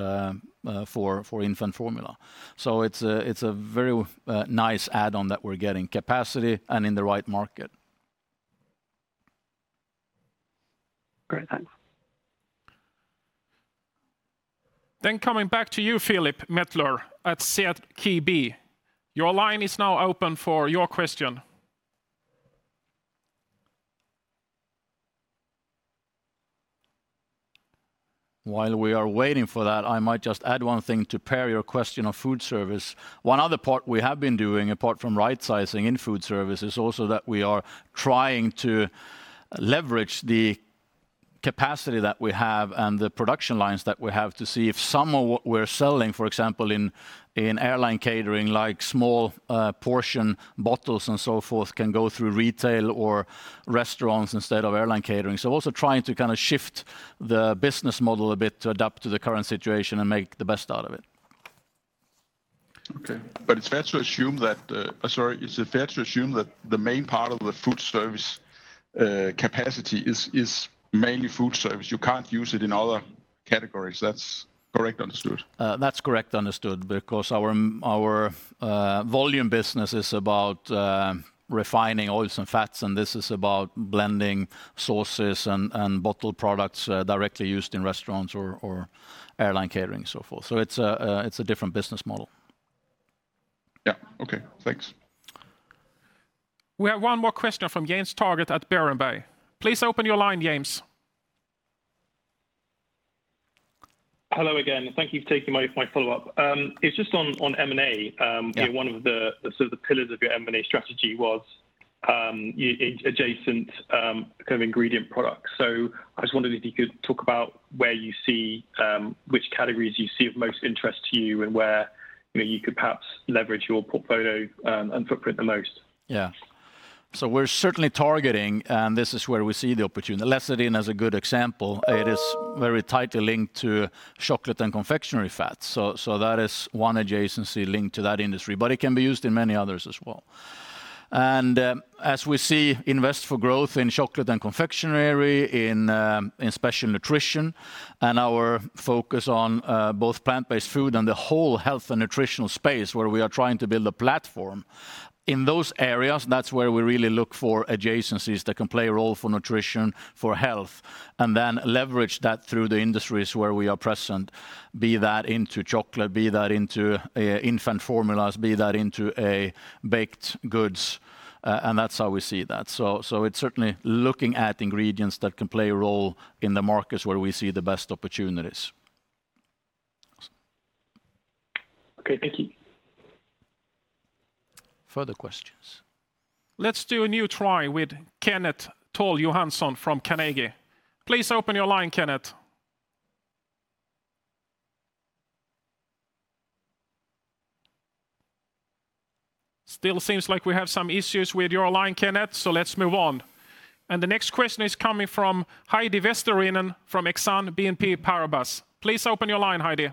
for infant formula. It's a very nice add-on that we're getting capacity and in the right market. Great, thanks. Coming back to you, Philip Mettler at ZKB. Your line is now open for your question. While we are waiting for that, I might just add one thing to pair your question of foodservice. One other part we have been doing, apart from right sizing in food service, is also that we are trying to leverage the capacity that we have and the production lines that we have to see if some of what we're selling, for example, in airline catering, like small portion bottles and so forth, can go through retail or restaurants instead of airline catering. Also trying to shift the business model a bit to adapt to the current situation and make the best out of it. Okay. Sorry. Is it fair to assume that the main part of the food service capacity is mainly food service? You can't use it in other categories. That's correct understood? That's correct understood, because our volume business is about refining oils and fats, and this is about blending sauces and bottled products directly used in restaurants or airline catering, so forth. It's a different business model. Yeah. Okay, thanks. We have one more question from James Target at Berenberg. Please open your line, James. Hello again. Thank you for taking my follow-up. It's just on M&A. Yeah. One of the pillars of your M&A strategy was adjacent kind of ingredient products. I just wondered if you could talk about which categories you see of most interest to you and where you could perhaps leverage your portfolio and footprint the most. Yeah. We're certainly targeting, and this is where we see the opportunity. Lecithin as a good example, it is very tightly linked to Chocolate & Confectionery Fats. That is one adjacency linked to that industry, but it can be used in many others as well. As we see invest for growth in Chocolate & Confectionery, in Special Nutrition, and our focus on both plant-based food and the whole health and nutritional space where we are trying to build a platform. In those areas, that's where we really look for adjacencies that can play a role for nutrition, for health, and then leverage that through the industries where we are present, be that into chocolate, be that into infant formulas, be that into baked goods. That's how we see that. It's certainly looking at ingredients that can play a role in the markets where we see the best opportunities. Okay, thank you. Further questions? Let's do a new try with Kenneth Toll Johansson from Carnegie. Please open your line, Kenneth. Still seems like we have some issues with your line, Kenneth, so let's move on. The next question is coming from Heidi Vesterinen from Exane BNP Paribas. Please open your line, Heidi.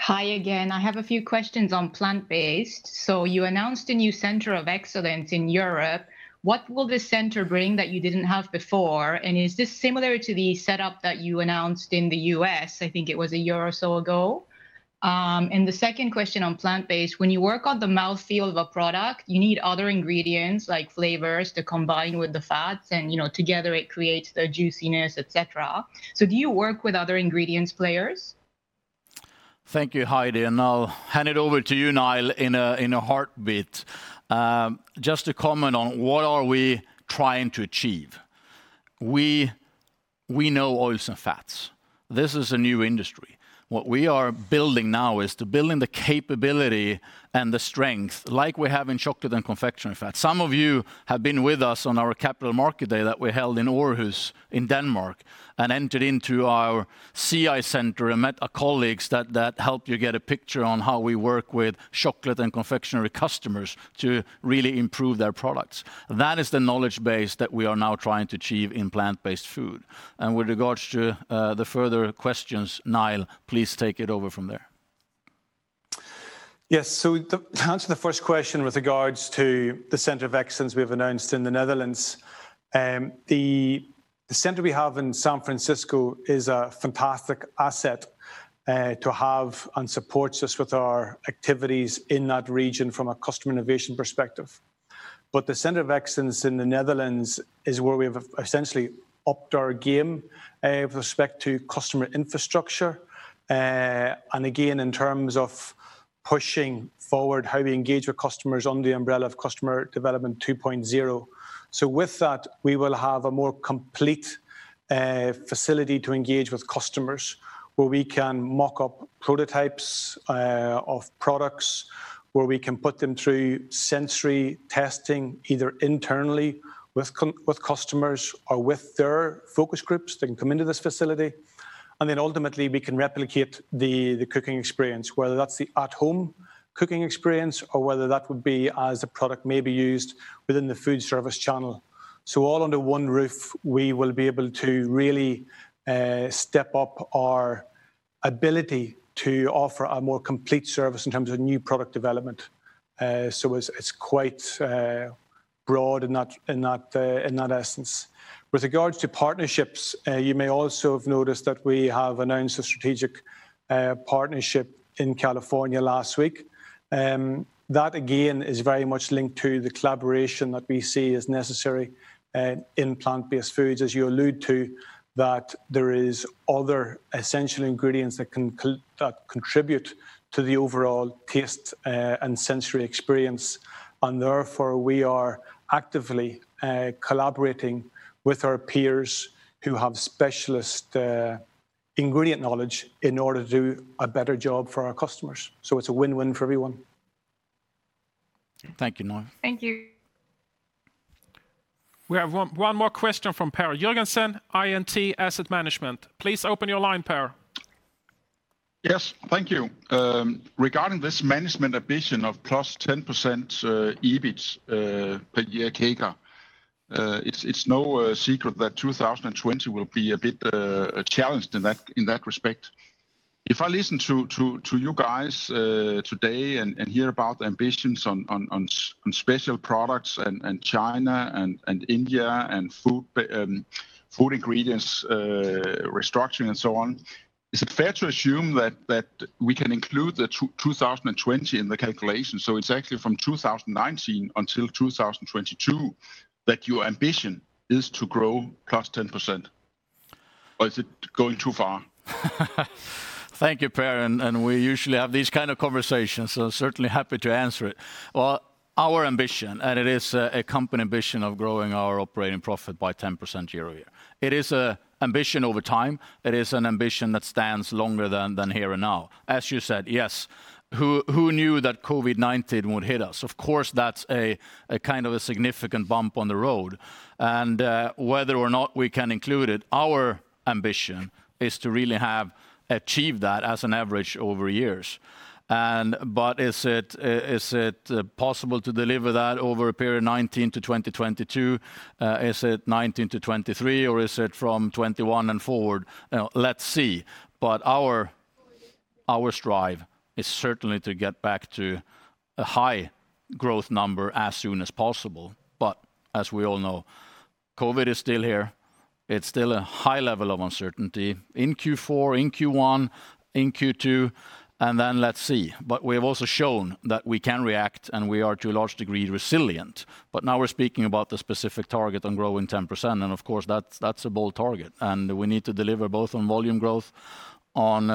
Hi again. I have a few questions on plant-based. You announced a new center of excellence in Europe. What will this center bring that you didn't have before? Is this similar to the setup that you announced in the U.S., I think it was a year or so ago? The second question on plant-based, when you work on the mouthfeel of a product, you need other ingredients like flavors to combine with the fats, and together it creates the juiciness, et cetera. Do you work with other ingredients players? Thank you, Heidi, I'll hand it over to you, Niall, in a heartbeat. Just to comment on what are we trying to achieve. We know oils and fats. This is a new industry. What we are building now is to build in the capability and the strength like we have in Chocolate & Confectionery Fats. Some of you have been with us on our Capital Market Day that we held in Aarhus in Denmark and entered into our CI center and met colleagues that helped you get a picture on how we work with chocolate and confectionery customers to really improve their products. That is the knowledge base that we are now trying to achieve in plant-based food. With regards to the further questions, Niall, please take it over from there. Yes. To answer the first question with regards to the center of excellence we have announced in the Netherlands, the center we have in San Francisco is a fantastic asset to have and supports us with our activities in that region from a customer innovation perspective. The center of excellence in the Netherlands is where we have essentially upped our game with respect to customer infrastructure. Again, in terms of pushing forward how we engage with customers on the umbrella of Customer Co-Development 2.0. With that, we will have a more complete facility to engage with customers where we can mock up prototypes of products, where we can put them through sensory testing, either internally with customers or with their focus groups. They can come into this facility, and then ultimately we can replicate the cooking experience, whether that's the at-home cooking experience or whether that would be as a product may be used within the food service channel. All under one roof, we will be able to really step up our ability to offer a more complete service in terms of new product development. It's quite broad in that essence. With regards to partnerships, you may also have noticed that we have announced a strategic partnership in California last week. That again is very much linked to the collaboration that we see as necessary in Plant-Based Foods. As you allude to that there is other essential ingredients that contribute to the overall taste and sensory experience, and therefore we are actively collaborating with our peers who have specialist ingredient knowledge in order to do a better job for our customers. It's a win-win for everyone. Thank you, Niall. Thank you. We have one more question from Per Jørgensen, INT Asset Management. Please open your line, Per. Yes. Thank you. Regarding this management ambition of +10% EBIT per year, compound annual growth ratio, it's no secret that 2020 will be a bit challenged in that respect. If I listen to you guys today and hear about the ambitions on special products and China and India and Food Ingredients restructuring and so on, is it fair to assume that we can include the 2020 in the calculation? It's actually from 2019 until 2022 that your ambition is to grow +10%, or is it going too far? Thank you, Per. We usually have these kind of conversations, certainly happy to answer it. Well, our ambition, it is a company ambition of growing our operating profit by 10% year-over-year. It is an ambition over time. It is an ambition that stands longer than here and now. As you said, yes, who knew that COVID-19 would hit us? Of course, that's a kind of a significant bump on the road. Whether or not we can include it, our ambition is to really have achieved that as an average over years. Is it possible to deliver that over a period of 2019 to 2022? Is it 2019 to 2023, is it from 2021 forward? Let's see. Our strive is certainly to get back to a high growth number as soon as possible. As we all know, COVID is still here. It's still a high level of uncertainty in Q4, in Q1, in Q2, let's see. We have also shown that we can react, and we are to a large degree resilient. Now we're speaking about the specific target on growing 10%, and of course, that's a bold target, and we need to deliver both on volume growth, on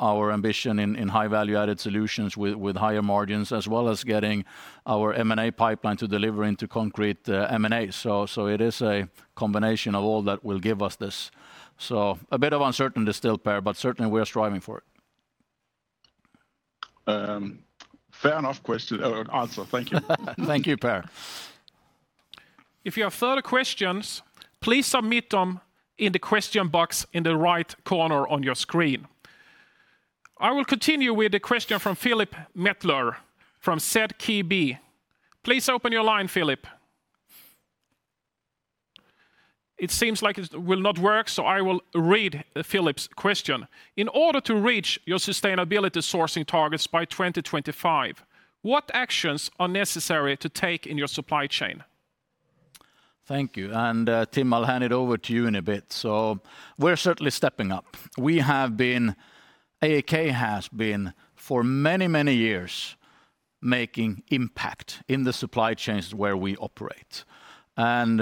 our ambition in high-value-added solutions with higher margins, as well as getting our M&A pipeline to deliver into concrete M&A. It is a combination of all that will give us this. A bit of uncertainty still, Per, certainly we are striving for it. Fair enough answer. Thank you. Thank you, Per. If you have further questions, please submit them in the question box in the right corner on your screen. I will continue with the question from Philip Mettler from ZKB. Please open your line, Philip. It seems like it will not work. I will read Philip's question. In order to reach your sustainability sourcing targets by 2025, what actions are necessary to take in your supply chain? Thank you. Tim, I'll hand it over to you in a bit. We're certainly stepping up. AAK has been for many years making impact in the supply chains where we operate.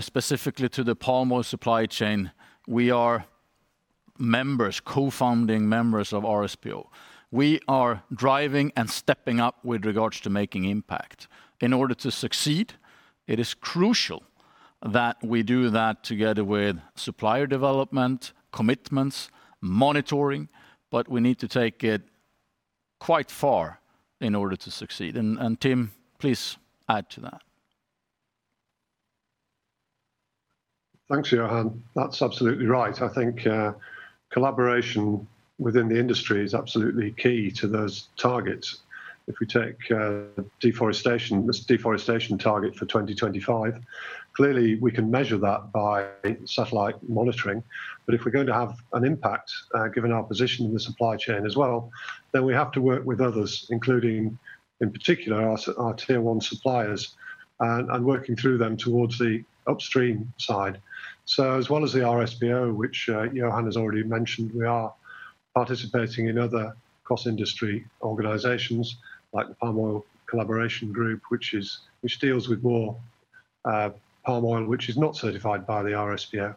Specifically to the palm oil supply chain, we are members, co-founding members of RSPO. We are driving and stepping up with regards to making impact. In order to succeed, it is crucial that we do that together with supplier development, commitments, monitoring, but we need to take it quite far in order to succeed. Tim, please add to that. Thanks, Johan. That's absolutely right. I think collaboration within the industry is absolutely key to those targets. If we take this deforestation target for 2025, clearly we can measure that by satellite monitoring, but if we're going to have an impact, given our position in the supply chain as well, then we have to work with others, including, in particular, our Tier 1 suppliers, and working through them towards the upstream side. As well as the RSPO, which Johan has already mentioned, we are participating in other cross-industry organizations like the Palm Oil Collaboration Group, which deals with more palm oil, which is not certified by the RSPO,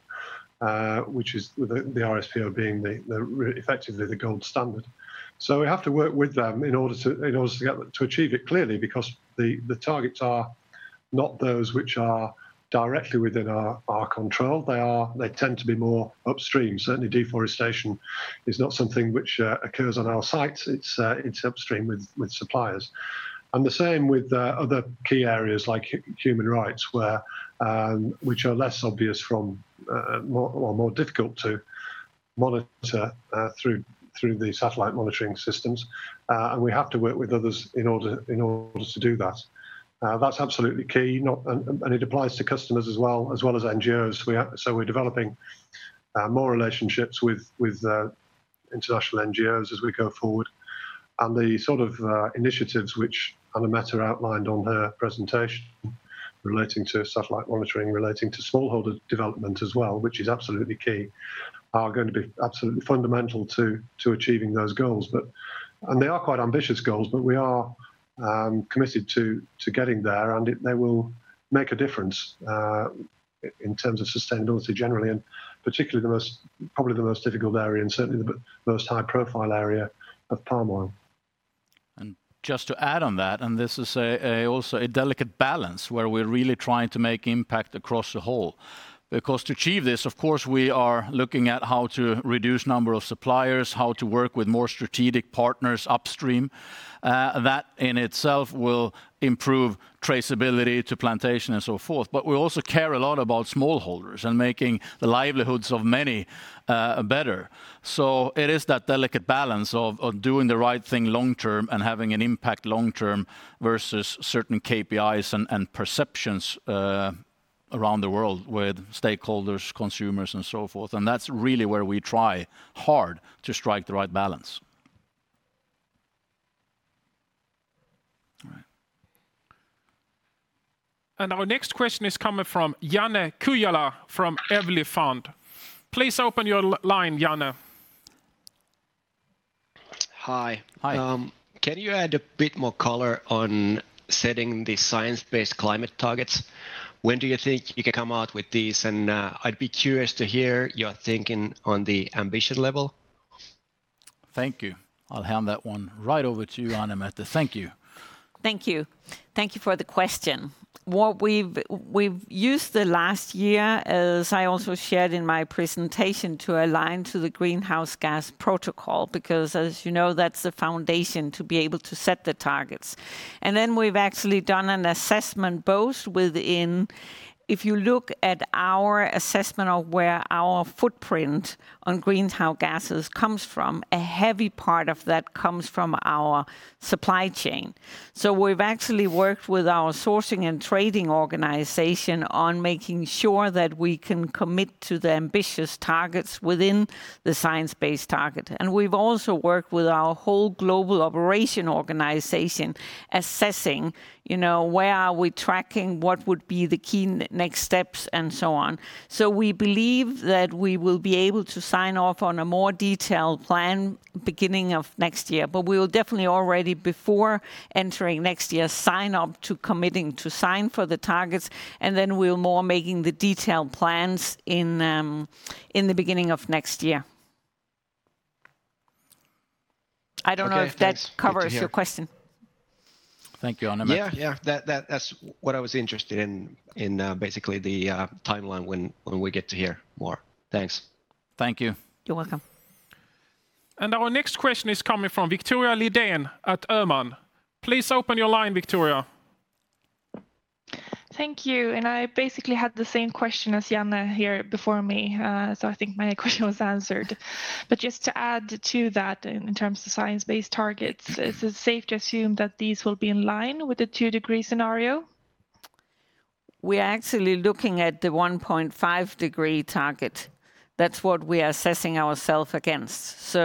which is, the RSPO being effectively the gold standard. We have to work with them in order to achieve it clearly, because the targets are not those which are directly within our control. They tend to be more upstream. Certainly, deforestation is not something which occurs on our sites. It's upstream with suppliers. The same with other key areas like human rights, which are less obvious from, or more difficult to monitor through the satellite monitoring systems. We have to work with others in order to do that. That's absolutely key, and it applies to customers as well, as well as NGOs. We're developing more relationships with international NGOs as we go forward. The sort of initiatives which Anne Mette outlined on her presentation relating to satellite monitoring, relating to smallholder development as well, which is absolutely key, are going to be absolutely fundamental to achieving those goals. They are quite ambitious goals, but we are committed to getting there, and they will make a difference, in terms of sustainability generally, and particularly probably the most difficult area and certainly the most high-profile area of palm oil. Just to add on that, this is also a delicate balance where we're really trying to make impact across the whole. To achieve this, of course, we are looking at how to reduce number of suppliers, how to work with more strategic partners upstream. That in itself will improve traceability to plantation and so forth. We also care a lot about smallholders and making the livelihoods of many better. It is that delicate balance of doing the right thing long term and having an impact long term versus certain KPIs and perceptions around the world with stakeholders, consumers, and so forth. That's really where we try hard to strike the right balance. All right. Our next question is coming from Janne Kujala from Evli Fund. Please open your line, Janne. Hi. Hi. Can you add a bit more color on setting the Science Based Targets? When do you think you can come out with these? I'd be curious to hear your thinking on the ambition level. Thank you. I'll hand that one right over to you, Anne Mette. Thank you. Thank you. Thank you for the question. What we've used the last year, as I also shared in my presentation, to align to the Greenhouse Gas Protocol, because as you know, that's the foundation to be able to set the targets. Then we've actually done an assessment both within, if you look at our assessment of where our footprint on greenhouse gases comes from, a heavy part of that comes from our supply chain. We've actually worked with our sourcing and trading organization on making sure that we can commit to the ambitious targets within the Science Based Target. We've also worked with our whole global operation organization assessing where are we tracking, what would be the key next steps, and so on. We believe that we will be able to sign off on a more detailed plan beginning of next year. We will definitely already before entering next year, sign up to committing to sign for the targets, and then we'll more making the detailed plans in the beginning of next year. I don't know if that covers your question. Thank you, Anne Mette. Yeah. That's what I was interested in, basically the timeline when we get to hear more. Thanks. Thank you. You're welcome. Our next question is coming from Victoria Lidén at Öhman. Please open your line, Victoria. Thank you. I basically had the same question as Janne here before me, so I think my question was answered. Just to add to that, in terms of Science Based Targets, is it safe to assume that these will be in line with the two-degree scenario? We are actually looking at the 1.5-degree target. That's what we are assessing ourselves against. We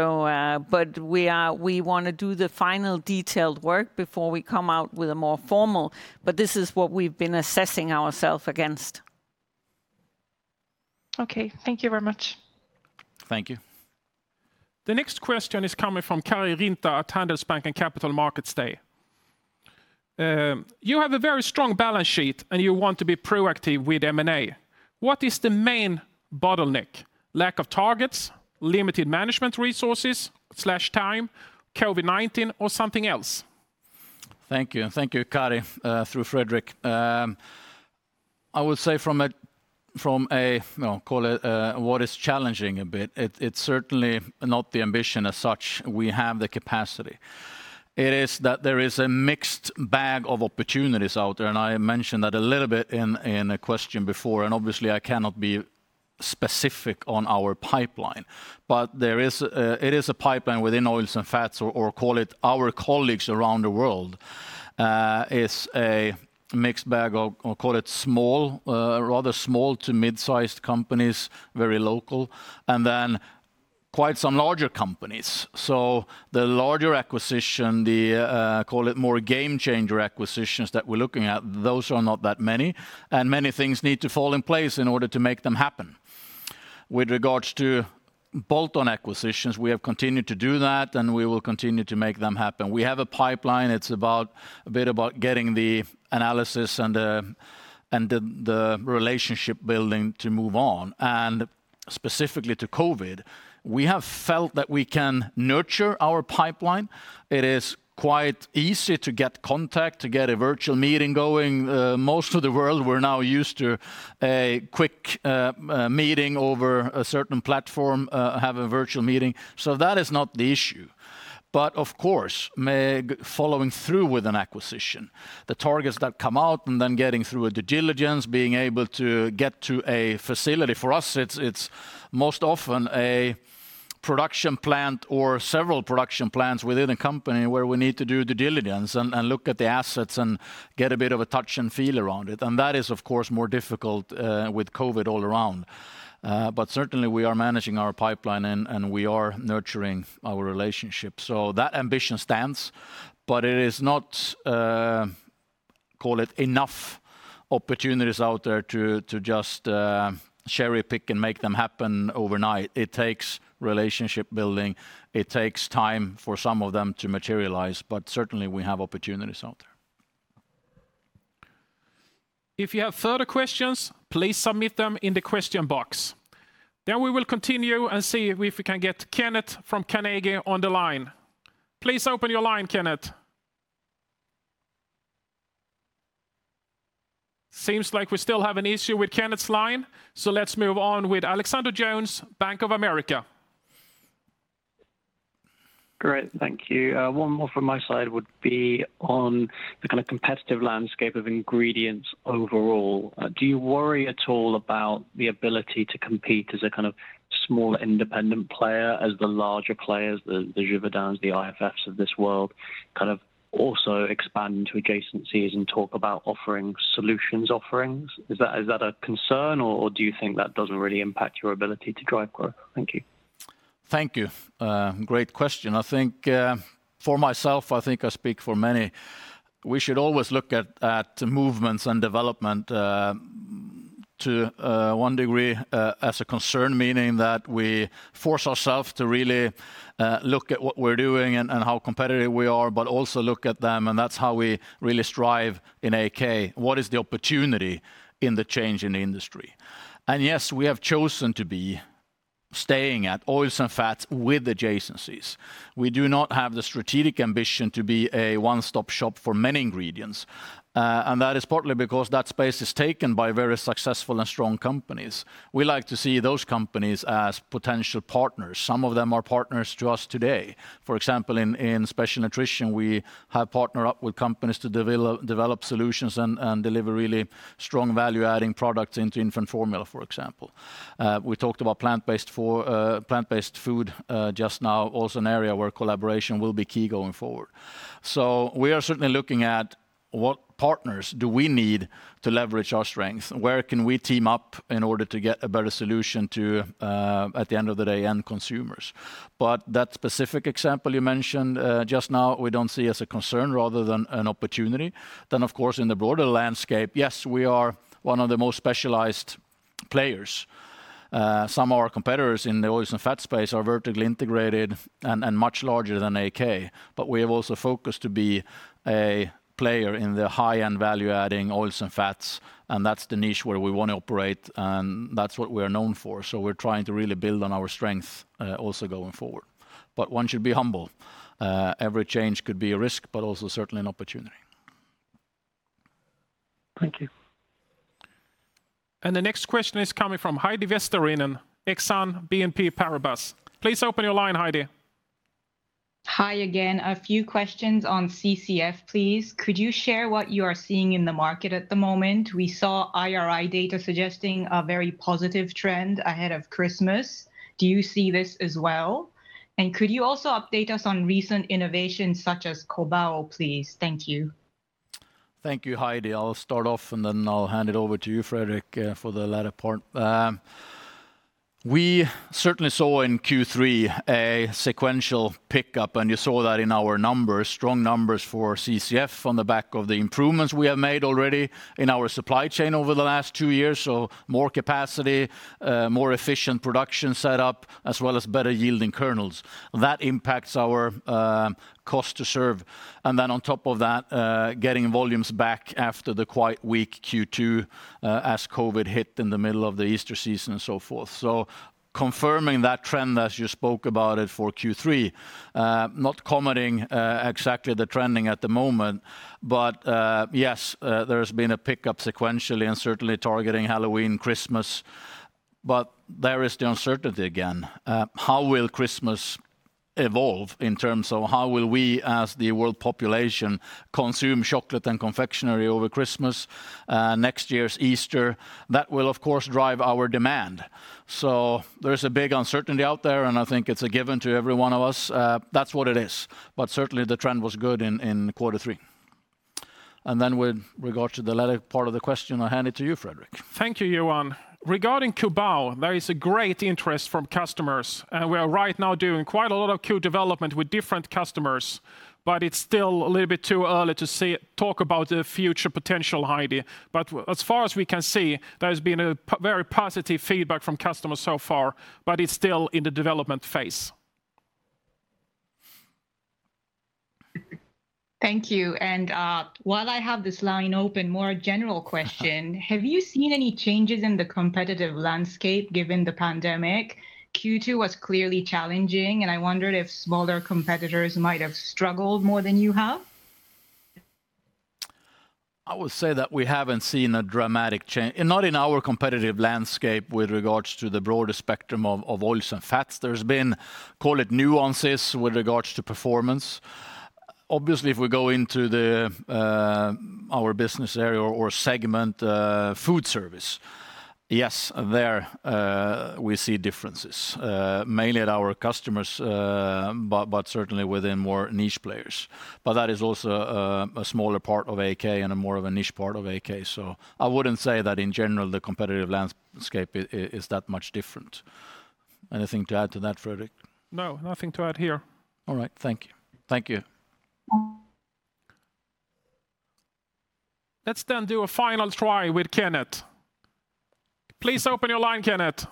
want to do the final detailed work before we come out with a more formal, but this is what we've been assessing ourselves against. Okay. Thank you very much. Thank you. The next question is coming from Kari Rinta at Handelsbanken Capital Markets Day. You have a very strong balance sheet and you want to be proactive with M&A. What is the main bottleneck? Lack of targets, limited management resources/time, COVID-19, or something else? Thank you, Kari, through Fredrik. I would say from a, call it what is challenging a bit, it's certainly not the ambition as such. We have the capacity. It is that there is a mixed bag of opportunities out there, and I mentioned that a little bit in a question before, and obviously I cannot be specific on our pipeline. It is a pipeline within oils and fats, or call it our colleagues around the world. It's a mixed bag of, call it small to mid-sized companies, very local, and then quite some larger companies. The larger acquisition, the call it more game-changer acquisitions that we're looking at, those are not that many, and many things need to fall in place in order to make them happen. With regards to bolt-on acquisitions, we have continued to do that, and we will continue to make them happen. We have a pipeline. It's a bit about getting the analysis and the relationship-building to move on. Specifically to COVID, we have felt that we can nurture our pipeline. It is quite easy to get contact, to get a virtual meeting going. Most of the world, we're now used to a quick meeting over a certain platform, have a virtual meeting. That is not the issue. Of course, following through with an acquisition, the targets that come out and then getting through a due diligence, being able to get to a facility. For us, it's most often a production plant or several production plants within a company where we need to do due diligence and look at the assets and get a bit of a touch and feel around it. That is, of course, more difficult with COVID all around. Certainly, we are managing our pipeline and we are nurturing our relationships. That ambition stands, but it is not, call it enough opportunities out there to just cherry-pick and make them happen overnight. It takes relationship-building. It takes time for some of them to materialize, but certainly, we have opportunities out there. If you have further questions, please submit them in the question box. We will continue and see if we can get Kenneth from Carnegie on the line. Please open your line, Kenneth. Seems like we still have an issue with Kenneth's line, so let's move on with Alexander Jones, Bank of America. Great, thank you. One more from my side would be on the competitive landscape of ingredients overall. Do you worry at all about the ability to compete as a small independent player as the larger players, the Givaudan, the IFF of this world, also expand into adjacencies and talk about offering solutions offerings? Is that a concern, or do you think that doesn't really impact your ability to drive growth? Thank you. Thank you. Great question. I think for myself, I think I speak for many, we should always look at movements and development to one degree as a concern, meaning that we force ourselves to really look at what we're doing and how competitive we are, but also look at them, and that's how we really strive in AAK. What is the opportunity in the change in the industry? Yes, we have chosen to be staying at oils and fats with adjacencies. We do not have the strategic ambition to be a one-stop shop for many ingredients. That is partly because that space is taken by very successful and strong companies. We like to see those companies as potential partners. Some of them are partners to us today. For example, in Special Nutrition, we have partnered up with companies to develop solutions and deliver really strong value-adding products into infant formula, for example. We talked about plant-based food just now, also an area where collaboration will be key going forward. We are certainly looking at what partners do we need to leverage our strengths? Where can we team up in order to get a better solution to, at the end of the day, end consumers? That specific example you mentioned just now, we don't see as a concern rather than an opportunity. Of course, in the broader landscape, yes, we are one of the most specialized players. Some of our competitors in the oils and fats space are vertically integrated and much larger than AAK. We have also focused to be a player in the high-end value-adding oils and fats, and that's the niche where we want to operate, and that's what we're known for. We're trying to really build on our strength also going forward. One should be humble. Every change could be a risk, but also certainly an opportunity. Thank you. The next question is coming from Heidi Vesterinen, Exane BNP Paribas. Please open your line, Heidi. Hi again. A few questions on CCF, please. Could you share what you are seeing in the market at the moment? We saw IRI data suggesting a very positive trend ahead of Christmas. Do you see this as well? Could you also update us on recent innovations such as COBAO, please? Thank you. Thank you, Heidi. I'll start off and then I'll hand it over to you, Fredrik, for the latter part. We certainly saw in Q3 a sequential pickup, and you saw that in our numbers. Strong numbers for CCF on the back of the improvements we have made already in our supply chain over the last two years. More capacity, more efficient production setup, as well as better yielding kernels. That impacts our cost-to-serve. On top of that, getting volumes back after the quite weak Q2 as COVID hit in the middle of the Easter season and so forth. Confirming that trend as you spoke about it for Q3, not commenting exactly the trending at the moment, yes, there has been a pickup sequentially and certainly targeting Halloween, Christmas. There is the uncertainty again. How will Christmas evolve in terms of how will we as the world population consume chocolate and confectionery over Christmas, next year's Easter? That will, of course, drive our demand. There is a big uncertainty out there, and I think it's a given to every one of us. That's what it is. Certainly, the trend was good in quarter three. With regard to the latter part of the question, I'll hand it to you, Fredrik. Thank you, Johan. Regarding COBAO, there is a great interest from customers, and we are right now doing quite a lot of co-development with different customers, but it's still a little bit too early to talk about the future potential, Heidi. As far as we can see, there's been a very positive feedback from customers so far, but it's still in the development phase. Thank you. While I have this line open, more general question, have you seen any changes in the competitive landscape given the pandemic? Q2 was clearly challenging, and I wondered if smaller competitors might have struggled more than you have. I would say that we haven't seen a dramatic change, not in our competitive landscape with regards to the broader spectrum of oils and fats. There's been, call it nuances with regards to performance. Obviously, if we go into our business area or segment food service, yes, there we see differences, mainly at our customers, but certainly within more niche players. That is also a smaller part of AAK and a more of a niche part of AAK. I wouldn't say that in general, the competitive landscape is that much different. Anything to add to that, Fredrik? No, nothing to add here. All right. Thank you. Thank you. Let's do a final try with Kenneth. Please open your line, Kenneth.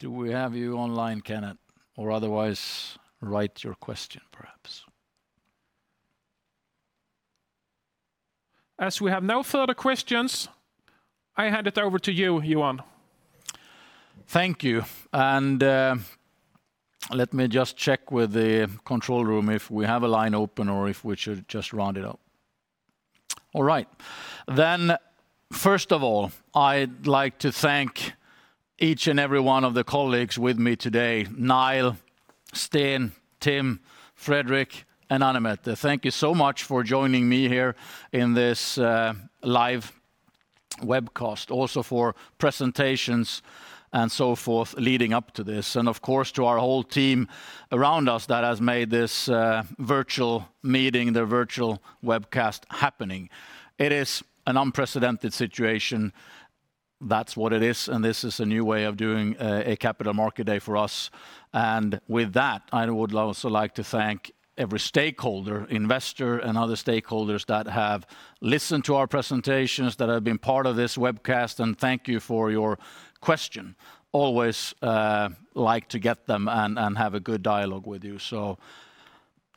Do we have you online, Kenneth? Or otherwise, write your question, perhaps. As we have no further questions, I hand it over to you, Johan. Thank you. Let me just check with the control room if we have a line open or if we should just round it up. All right. First of all, I'd like to thank each and every one of the colleagues with me today, Niall, Sten, Tim, Fredrik, and Anne Mette. Thank you so much for joining me here in this live webcast, also for presentations and so forth leading up to this, and of course, to our whole team around us that has made this virtual meeting, the virtual webcast happening. It is an unprecedented situation. That's what it is, and this is a new way of doing a Capital Market Day for us. With that, I would also like to thank every stakeholder, investor, and other stakeholders that have listened to our presentations, that have been part of this webcast, and thank you for your question. Always like to get them and have a good dialogue with you.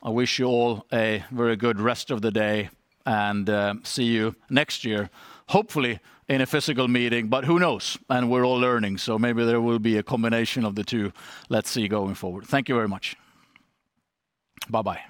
I wish you all a very good rest of the day, and see you next year, hopefully in a physical meeting, but who knows? We're all learning. Maybe there will be a combination of the two. Let's see going forward. Thank you very much. Bye-bye.